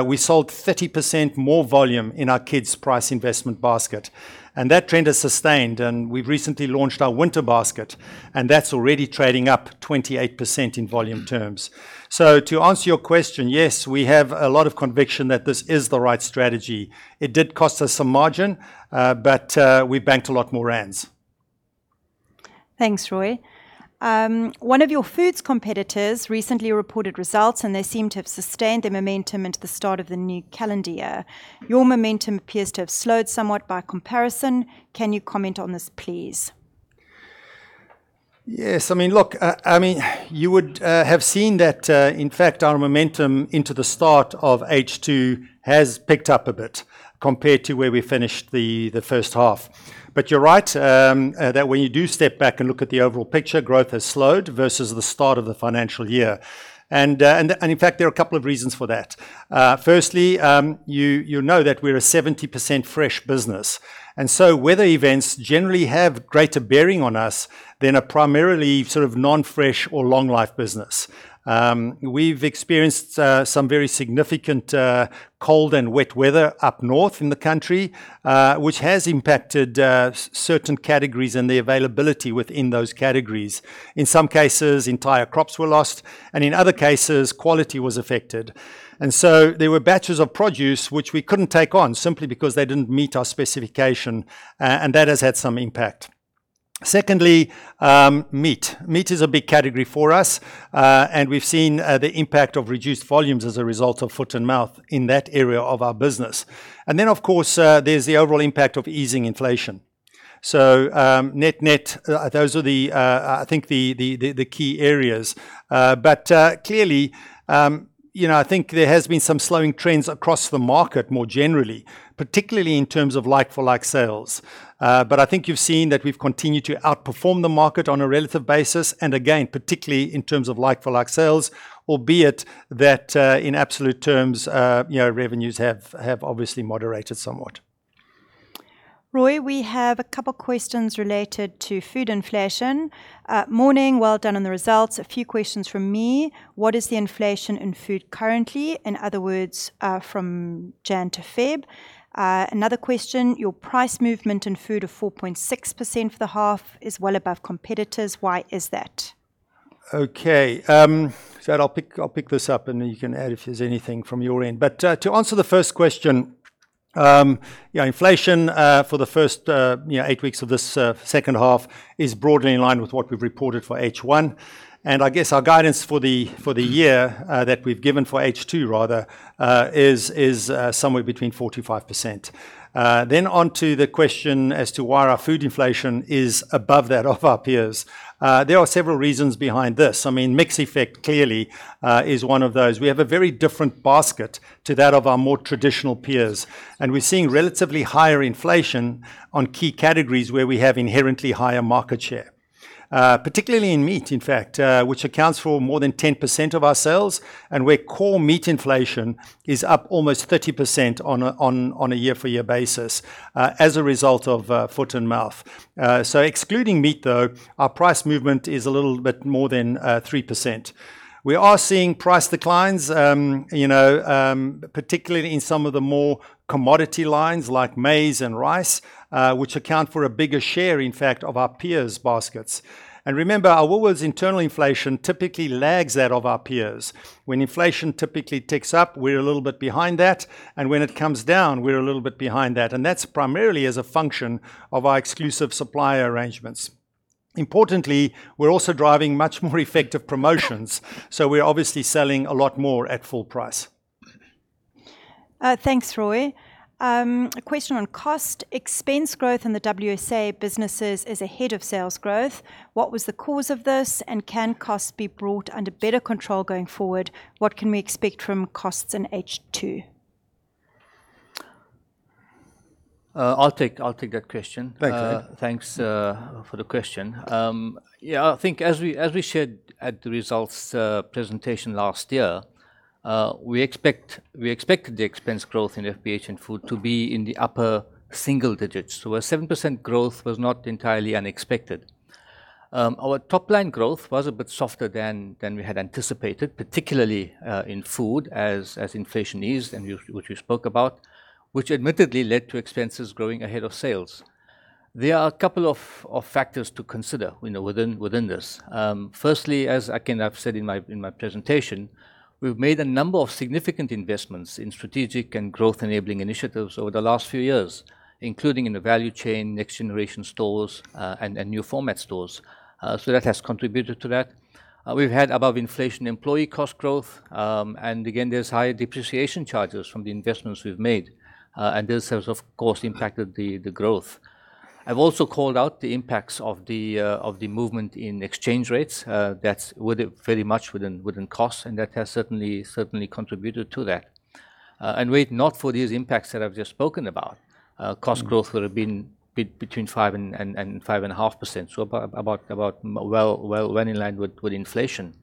we sold 30% more volume in our kids' price investment basket, and that trend has sustained, and we've recently launched our winter basket, and that's already trading up 28% in volume terms. To answer your question, yes, we have a lot of conviction that this is the right strategy. It did cost us some margin, but we banked a lot more rands. Thanks, Roy. One of your foods competitors recently reported results, and they seem to have sustained their momentum into the start of the new calendar year. Your momentum appears to have slowed somewhat by comparison. Can you comment on this, please? Yes. I mean, look, I mean, you would have seen that, in fact, our momentum into the start of H2 has picked up a bit compared to where we finished the first half. You're right, that when you do step back and look at the overall picture, growth has slowed versus the start of the financial year. In fact, there are a couple of reasons for that. Firstly, you know that we're a 70% fresh business, and so weather events generally have greater bearing on us than a primarily sort of non-fresh or long life business. We've experienced some very significant cold and wet weather up north in the country, which has impacted certain categories and the availability within those categories. In some cases, entire crops were lost, and in other cases, quality was affected. There were batches of produce which we couldn't take on simply because they didn't meet our specification, and that has had some impact. Secondly, meat. Meat is a big category for us, and we've seen the impact of reduced volumes as a result of foot-and-mouth in that area of our business. Of course, there's the overall impact of easing inflation. Net-net, those are the, I think the key areas. Clearly, you know, I think there has been some slowing trends across the market more generally, particularly in terms of like-for-like sales. I think you've seen that we've continued to outperform the market on a relative basis, and again, particularly in terms of like-for-like sales, albeit that, in absolute terms, you know, revenues have obviously moderated somewhat. Roy, we have a couple questions related to food inflation. "Morning, well done on the results. A few questions from me. What is the inflation in food currently? In other words, from January to February." Another question, "Your price movement in food of 4.6% for the half is well above competitors. Why is that? Okay. Zaid, I'll pick this up, then you can add if there's anything from your end. To answer the first question, you know, inflation for the first, you know, eight weeks of this second half is broadly in line with what we've reported for H1. I guess our guidance for the year that we've given for H2 rather, is somewhere between 4%-5%. Onto the question as to why our food inflation is above that of our peers. There are several reasons behind this. I mean, mix effect clearly is one of those. We have a very different basket to that of our more traditional peers, and we're seeing relatively higher inflation on key categories where we have inherently higher market share. Particularly in meat, in fact, which accounts for more than 10% of our sales and where core meat inflation is up almost 30% on a year-for-year basis, as a result of foot-and-mouth. Excluding meat though, our price movement is a little bit more than 3%. We are seeing price declines, you know, particularly in some of the more commodity lines like maize and rice, which account for a bigger share, in fact, of our peers' baskets. Remember, our Woolworths internal inflation typically lags that of our peers. When inflation typically ticks up, we're a little bit behind that, and when it comes down, we're a little bit behind that, and that's primarily as a function of our exclusive supplier arrangements. Importantly, we're also driving much more effective promotions. We're obviously selling a lot more at full price. Thanks, Roy. A question on cost. Expense growth in the WSA businesses is ahead of sales growth. What was the cause of this? Can costs be brought under better control going forward? What can we expect from costs in H2? I'll take that question. Thanks, Zaid. Thanks for the question. Yeah, I think as we shared at the results presentation last year, we expected the expense growth in FPH and Food to be in the upper single digits. A 7% growth was not entirely unexpected. Our top line growth was a bit softer than we had anticipated, particularly in Food as inflation eased which we spoke about, which admittedly led to expenses growing ahead of sales. There are a couple of factors to consider, you know, within this. Firstly, as again I've said in my presentation, we've made a number of significant investments in strategic and growth-enabling initiatives over the last few years, including in the value chain, next generation stores, and new format stores. That has contributed to that. We've had above inflation employee cost growth. Again, there's higher depreciation charges from the investments we've made. This has of course impacted the growth. I've also called out the impacts of the movement in exchange rates that's very much within costs and that has certainly contributed to that. Were it not for these impacts that I've just spoken about, cost growth would've been between 5% and 5.5%, about well in line with inflation.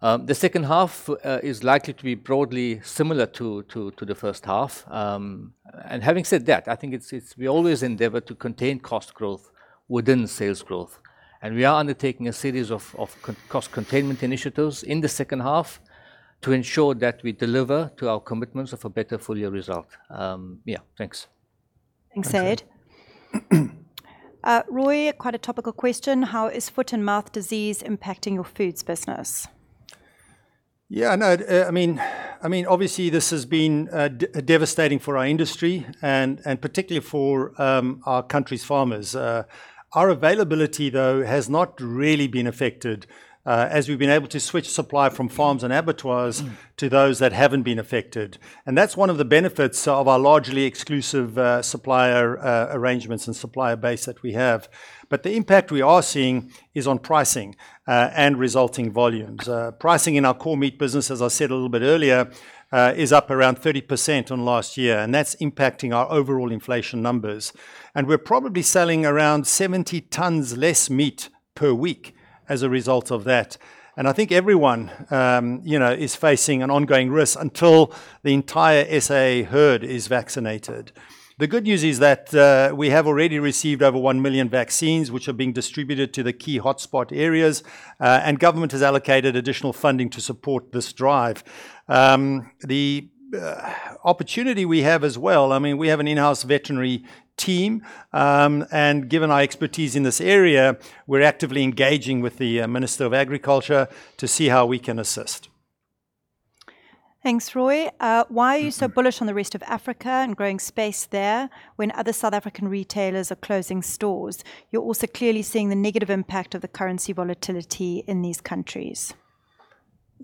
The second half is likely to be broadly similar to the first half. Having said that, I think it's we always endeavor to contain cost growth within sales growth and we are undertaking a series of cost containment initiatives in the second half to ensure that we deliver to our commitments of a better full year result. Yeah. Thanks. Thanks, Zaid. Roy, quite a topical question: How is foot-and-mouth disease impacting your foods business? No, I mean, obviously this has been devastating for our industry and particularly for our country's farmers. Our availability though has not really been affected as we've been able to switch supply from farms and abattoirs to those that haven't been affected. That's one of the benefits of our largely exclusive supplier arrangements and supplier base that we have. The impact we are seeing is on pricing and resulting volumes. Pricing in our core meat business, as I said a little bit earlier, is up around 30% on last year, and that's impacting our overall inflation numbers. We're probably selling around 70 tons less meat per week as a result of that. I think everyone, you know, is facing an ongoing risk until the entire SA herd is vaccinated. The good news is that we have already received over 1 million vaccines, which are being distributed to the key hotspot areas, and government has allocated additional funding to support this drive. The opportunity we have as well, I mean, we have an in-house veterinary team, and given our expertise in this area, we're actively engaging with the Minister of Agriculture to see how we can assist. Thanks, Roy. Why are you so bullish on the rest of Africa and growing space there when other South African retailers are closing stores? You're also clearly seeing the negative impact of the currency volatility in these countries.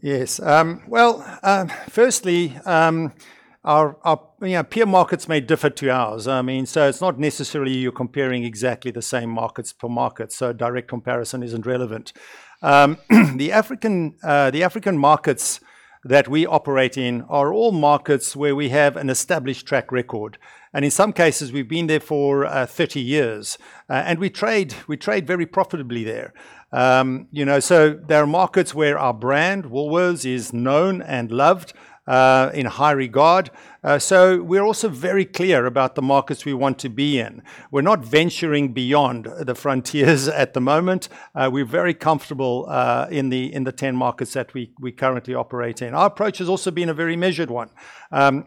Yes. Well, firstly, our, you know, peer markets may differ to ours. It's not necessarily you're comparing exactly the same markets per market, so a direct comparison isn't relevant. The African, the African markets that we operate in are all markets where we have an established track record, and in some cases we've been there for 30 years. We trade very profitably there. You know, they're markets where our brand, Woolworths, is known and loved in high regard. We're also very clear about the markets we want to be in. We're not venturing beyond the frontiers at the moment. We're very comfortable in the 10 markets that we currently operate in. Our approach has also been a very measured one.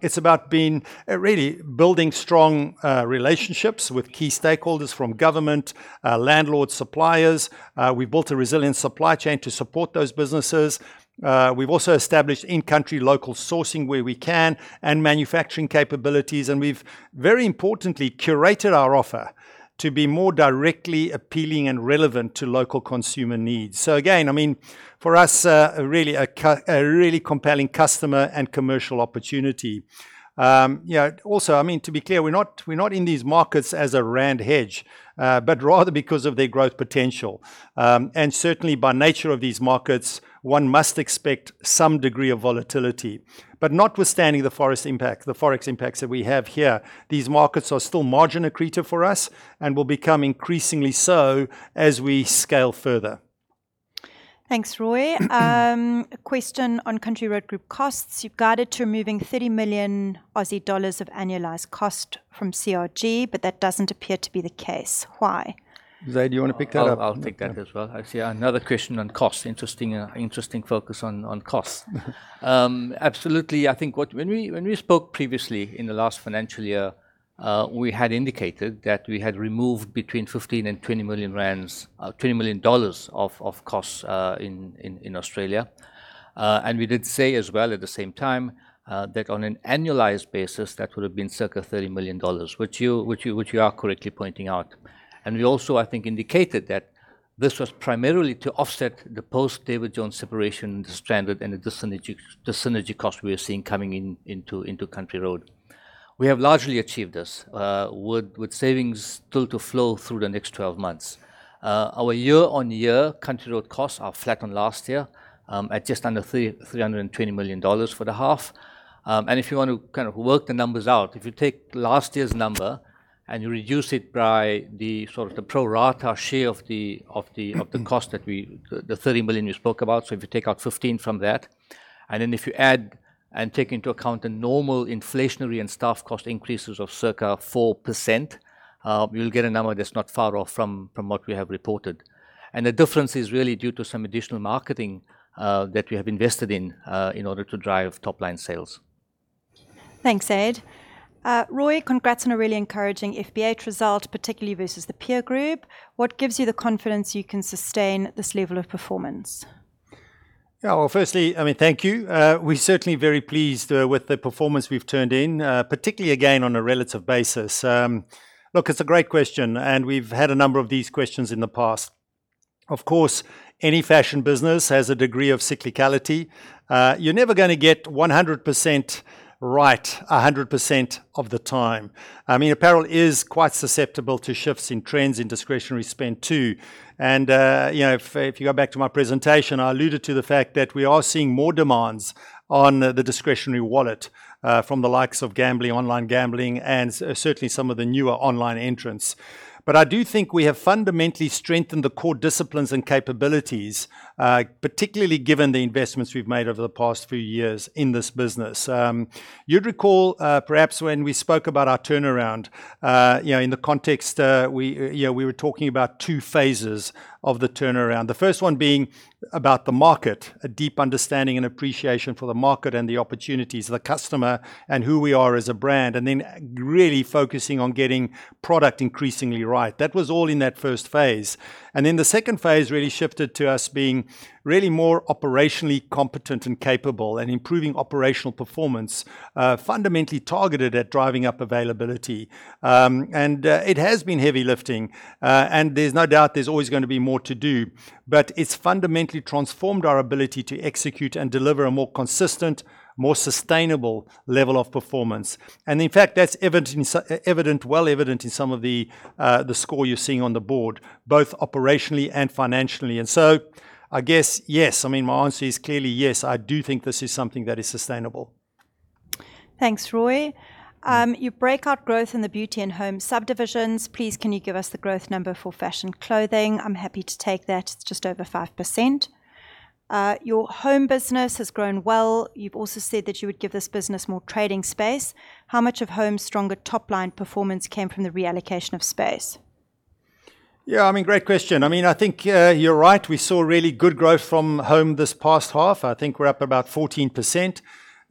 It's about being, really building strong relationships with key stakeholders from government, landlords, suppliers. We've built a resilient supply chain to support those businesses. We've also established in-country local sourcing where we can and manufacturing capabilities, and we've very importantly curated our offer to be more directly appealing and relevant to local consumer needs. Again, I mean, for us, really a really compelling customer and commercial opportunity. You know, also, I mean, to be clear, we're not in these markets as a rand hedge, but rather because of their growth potential. And certainly by nature of these markets, one must expect some degree of volatility. Notwithstanding the forex impact, the forex impacts that we have here, these markets are still margin accretive for us and will become increasingly so as we scale further. Thanks, Roy. A question on Country Road Group costs. You've guided to removing 30 million Aussie dollars of annualized cost from CRG, but that doesn't appear to be the case. Why? Zaid, do you wanna pick that up? I'll take that as well. I see another question on costs. Interesting, interesting focus on costs. Absolutely. I think When we spoke previously in the last financial year, we had indicated that we had removed between 15 million and 20 million rand, 20 million dollars of costs in Australia. And we did say as well at the same time, that on an annualized basis, that would've been circa 30 million dollars, which you are correctly pointing out. We also I think indicated that this was primarily to offset the post David Jones separation, the stranded and the dis-synergy cost we are seeing coming into Country Road. We have largely achieved this with savings still to flow through the next 12 months. Our year-on-year Country Road costs are flat on last year, at just under 320 million dollars for the half. If you want to kind of work the numbers out, if you take last year's number and you reduce it by the sort of the pro rata share of the cost that we—the 30 million you spoke about, so if you take out 15 from that, and then if you take into account the normal inflationary and staff cost increases of circa 4%, you'll get a number that's not far off from what we have reported. The difference is really due to some additional marketing that we have invested in in order to drive top-line sales. Thanks, Zaid. Roy, congrats on a really encouraging FBH result, particularly versus the peer group. What gives you the confidence you can sustain this level of performance? Yeah. Well, firstly, I mean, thank you. We're certainly very pleased with the performance we've turned in, particularly again on a relative basis. Look, it's a great question, and we've had a number of these questions in the past. Of course, any fashion business has a degree of cyclicality. You're never gonna get 100% right 100% of the time. I mean, apparel is quite susceptible to shifts in trends in discretionary spend too. You know, if you go back to my presentation, I alluded to the fact that we are seeing more demands on the discretionary wallet from the likes of gambling, online gambling, and certainly some of the newer online entrants. I do think we have fundamentally strengthened the core disciplines and capabilities, particularly given the investments we've made over the past few years in this business. You'd recall, perhaps when we spoke about our turnaround, you know, in the context, we were talking about two phases of the turnaround. The first one being about the market, a deep understanding and appreciation for the market and the opportunities, the customer and who we are as a brand, and then really focusing on getting product increasingly right. That was all in that first phase. The second phase really shifted to us being really more operationally competent and capable and improving operational performance, fundamentally targeted at driving up availability. It has been heavy lifting, there's no doubt there's always going to be more to do. It's fundamentally transformed our ability to execute and deliver a more consistent, more sustainable level of performance. In fact, that's evident in well evident in some of the score you're seeing on the board, both operationally and financially. I guess, yes. I mean, my answer is clearly yes. I do think this is something that is sustainable. Thanks, Roy. You break out growth in the Beauty and Home subdivisions. Please, can you give us the growth number for Fashion clothing? I'm happy to take that. It's just over 5%. Your Home business has grown well. You've also said that you would give this business more trading space. How much of Home's stronger top line performance came from the reallocation of space? Yeah, I mean, great question. I mean, I think, you're right. We saw really good growth from home this past half. I think we're up about 14%.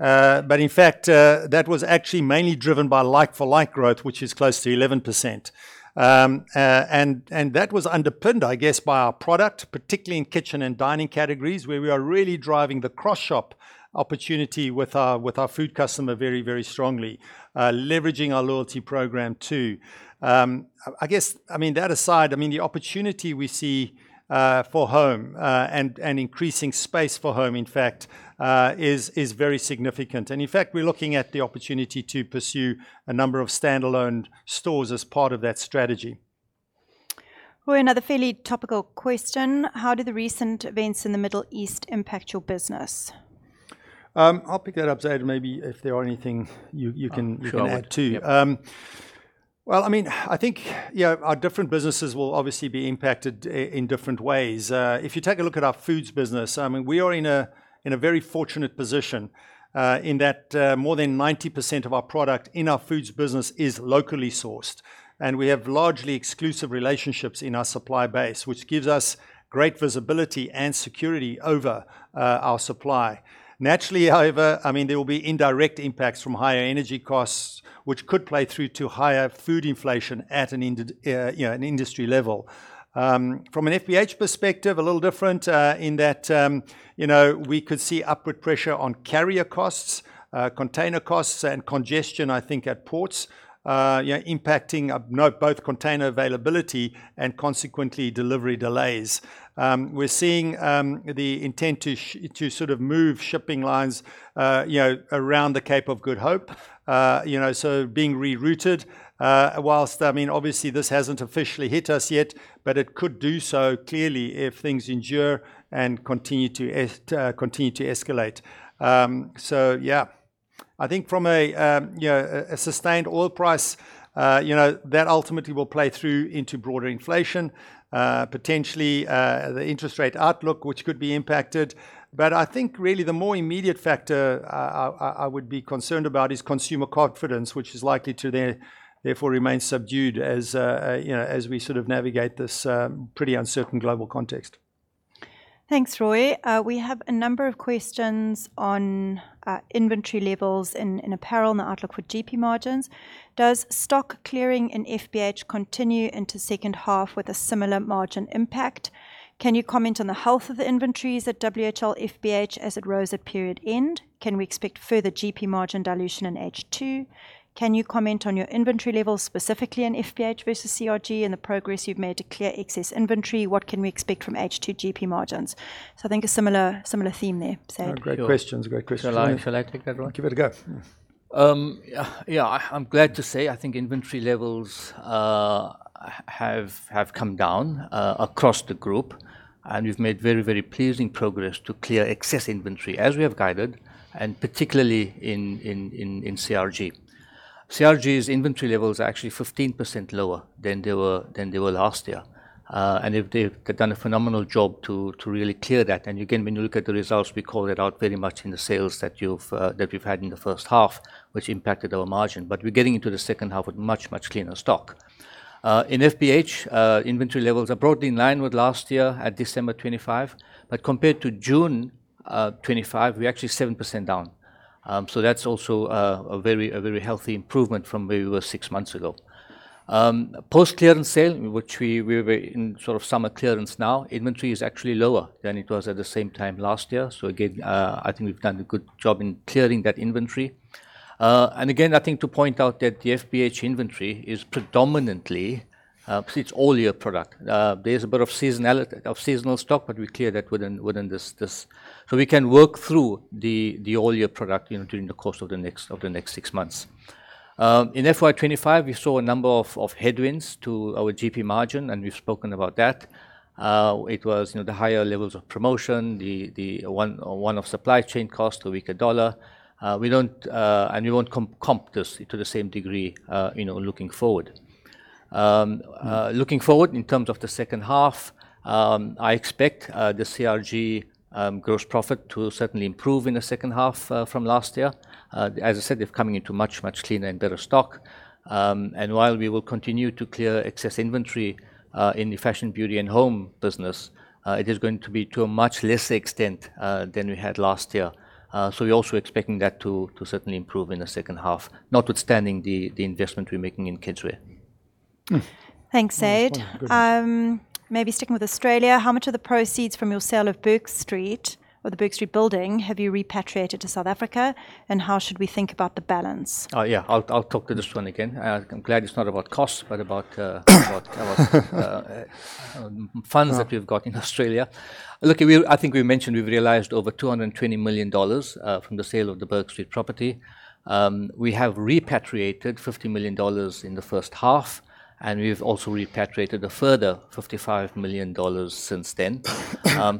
In fact, that was actually mainly driven by like-for-like growth, which is close to 11%. That was underpinned, I guess, by our product, particularly in kitchen and dining categories, where we are really driving the cross shop opportunity with our, with our food customer very, very strongly, leveraging our loyalty program too. I guess, I mean, that aside, I mean, the opportunity we see for home, and increasing space for home, in fact, is very significant. In fact, we're looking at the opportunity to pursue a number of standalone stores as part of that strategy. Roy, another fairly topical question. How do the recent events in the Middle East impact your business? I'll pick that up, Zaid, maybe if there are anything you can add too. Sure. Yep. Well, I mean, I think, you know, our different businesses will obviously be impacted in different ways. If you take a look at our foods business, I mean, we are in a, in a very fortunate position, in that, more than 90% of our product in our foods business is locally sourced, and we have largely exclusive relationships in our supply base, which gives us great visibility and security over, our supply. Naturally, however, I mean, there will be indirect impacts from higher energy costs, which could play through to higher food inflation at an, you know, an industry level. From an FBH perspective, a little different, in that, you know, we could see upward pressure on carrier costs, container costs and congestion, I think, at ports, you know, impacting both container availability and consequently delivery delays. We're seeing the intent to sort of move shipping lines, you know, around the Cape of Good Hope, you know, so being rerouted. Whilst, I mean, obviously this hasn't officially hit us yet, but it could do so clearly if things endure and continue to escalate. Yeah. I think from a, you know, a sustained oil price, you know, that ultimately will play through into broader inflation, potentially, the interest rate outlook, which could be impacted. I think really the more immediate factor I would be concerned about is consumer confidence, which is likely to therefore remain subdued as, you know, as we sort of navigate this, pretty uncertain global context. Thanks, Roy. We have a number of questions on inventory levels in apparel and the outlook for GP margins. Does stock clearing in FBH continue into second half with a similar margin impact? Can you comment on the health of the inventories at WHL FBH as it rose at period end? Can we expect further GP margin dilution in H2? Can you comment on your inventory levels, specifically in FBH versus CRG and the progress you've made to clear excess inventory? What can we expect from H2 GP margins? I think a similar theme there, Zaid. Great questions. Great questions. Shall I take that one? Give it a go. Yes. Yeah, I'm glad to say I think inventory levels have come down across the group, we've made very, very pleasing progress to clear excess inventory as we have guided, and particularly in CRG. CRG's inventory levels are actually 15% lower than they were last year. They've done a phenomenal job to really clear that. Again, when you look at the results, we call that out very much in the sales that you've that we've had in the first half, which impacted our margin. We're getting into the second half with much cleaner stock. In FBH, inventory levels are broadly in line with last year at December 2025. Compared to June 2025, we're actually 7% down. That's also a very, very healthy improvement from where we were six months ago. Post-clearance sale, which we're very in sort of summer clearance now, inventory is actually lower than it was at the same time last year. Again, I think we've done a good job in clearing that inventory. Again, I think to point out that the FBH inventory is predominantly, it's all year product. There's a bit of seasonality of seasonal stock, but we clear that within this. We can work through the all year product, you know, during the course of the next six months. In FY 2025, we saw a number of headwinds to our GP margin, and we've spoken about that. It was, you know, the higher levels of promotion, the one or one of supply chain costs, the weaker dollar. We don't, and we won't comp this to the same degree, you know, looking forward. Looking forward in terms of the second half, I expect the CRG gross profit to certainly improve in the second half from last year. As I said, they're coming into much cleaner and better stock. And while we will continue to clear excess inventory in the Fashion, Beauty and Home business, it is going to be to a much less extent than we had last year. So we're also expecting that to certainly improve in the second half, notwithstanding the investment we're making in kids' wear. Thanks, Zaid. Maybe sticking with Australia, how much of the proceeds from your sale of Bourke Street or the Bourke Street building have you repatriated to South Africa, and how should we think about the balance? Oh, yeah, I'll talk to this one again. I'm glad it's not about costs, but about funds that we've got in Australia. Look, I think we mentioned we've realized over 220 million dollars from the sale of the Bourke Street property. We have repatriated 50 million dollars in the first half, and we've also repatriated a further 55 million dollars since then.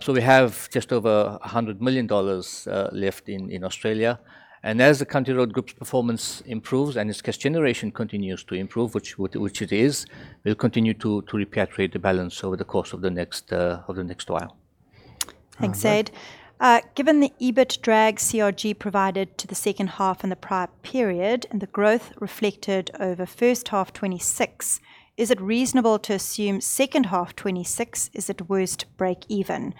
We have just over 100 million dollars left in Australia. As the Country Road Group's performance improves and its cash generation continues to improve, which it is, we'll continue to repatriate the balance over the course of the next while. Thanks, Zaid. Given the EBIT drag CRG provided to the second half in the prior period and the growth reflected over first half 2026, is it reasonable to assume second half 2026 is at worst break even?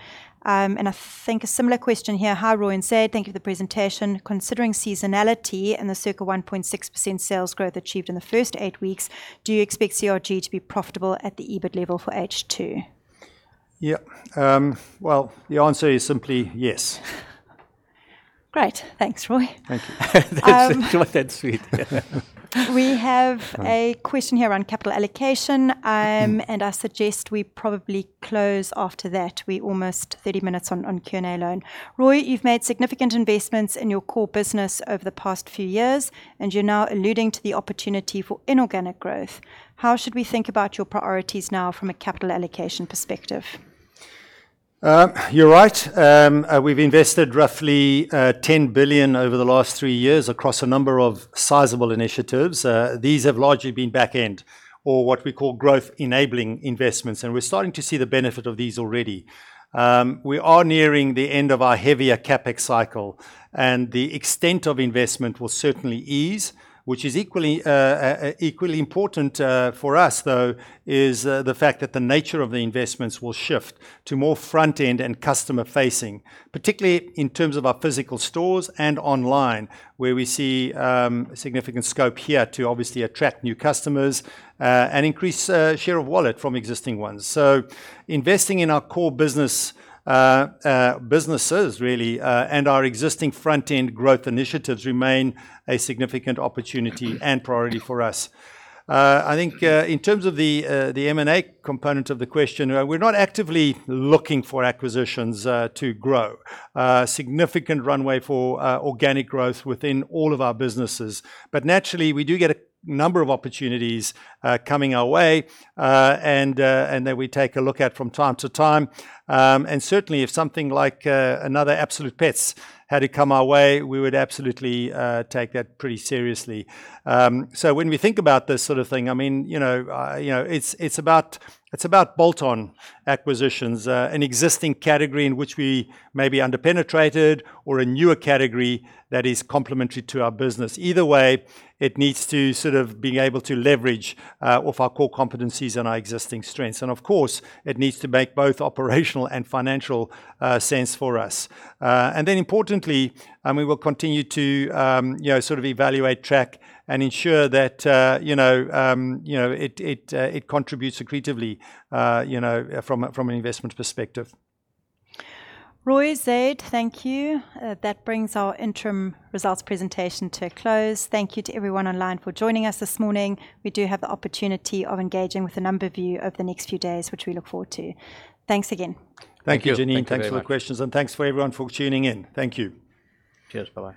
I think a similar question here. Hi, Roy and Zaid. Thank you for the presentation. Considering seasonality and the circa 1.6% sales growth achieved in the first eight weeks, do you expect CRG to be profitable at the EBIT level for H2? Yeah. Well, the answer is simply yes. Great. Thanks, Roy. Thank you. Wasn't that sweet? We have a question here around capital allocation. I suggest we probably close after that. We're almost 30-minutes on Q&A alone. Roy, you've made significant investments in your core business over the past few years, and you're now alluding to the opportunity for inorganic growth. How should we think about your priorities now from a capital allocation perspective? You're right. We've invested roughly 10 billion over the last three years across a number of sizable initiatives. These have largely been back end or what we call growth enabling investments. We're starting to see the benefit of these already. We are nearing the end of our heavier CapEx cycle. The extent of investment will certainly ease. Which is equally important for us, though, is the fact that the nature of the investments will shift to more front end and customer facing, particularly in terms of our physical stores and online, where we see significant scope here to obviously attract new customers, and increase share of wallet from existing ones. Investing in our core business, businesses really, and our existing front-end growth initiatives remain a significant opportunity and priority for us. I think, in terms of the M&A component of the question, we're not actively looking for acquisitions to grow. Significant runway for organic growth within all of our businesses. Naturally, we do get a number of opportunities coming our way, and that we take a look at from time to time. And certainly if something like another Absolute Pets had to come our way, we would absolutely take that pretty seriously. When we think about this sort of thing, I mean, you know, it's about bolt-on acquisitions, an existing category in which we may be under-penetrated or a newer category that is complementary to our business. Either way, it needs to sort of being able to leverage off our core competencies and our existing strengths. Of course, it needs to make both operational and financial sense for us. Then importantly, we will continue to, you know, sort of evaluate track and ensure that, you know, it contributes accretively, you know, from an investment perspective. Roy, Zaid, thank you. That brings our interim results presentation to a close. Thank you to everyone online for joining us this morning. We do have the opportunity of engaging with a number of you over the next few days, which we look forward to. Thanks again. Thank you, Jeanine. Thank you. Thank you very much. Thanks for the questions, and thanks for everyone for tuning in. Thank you. Cheers. Bye-bye.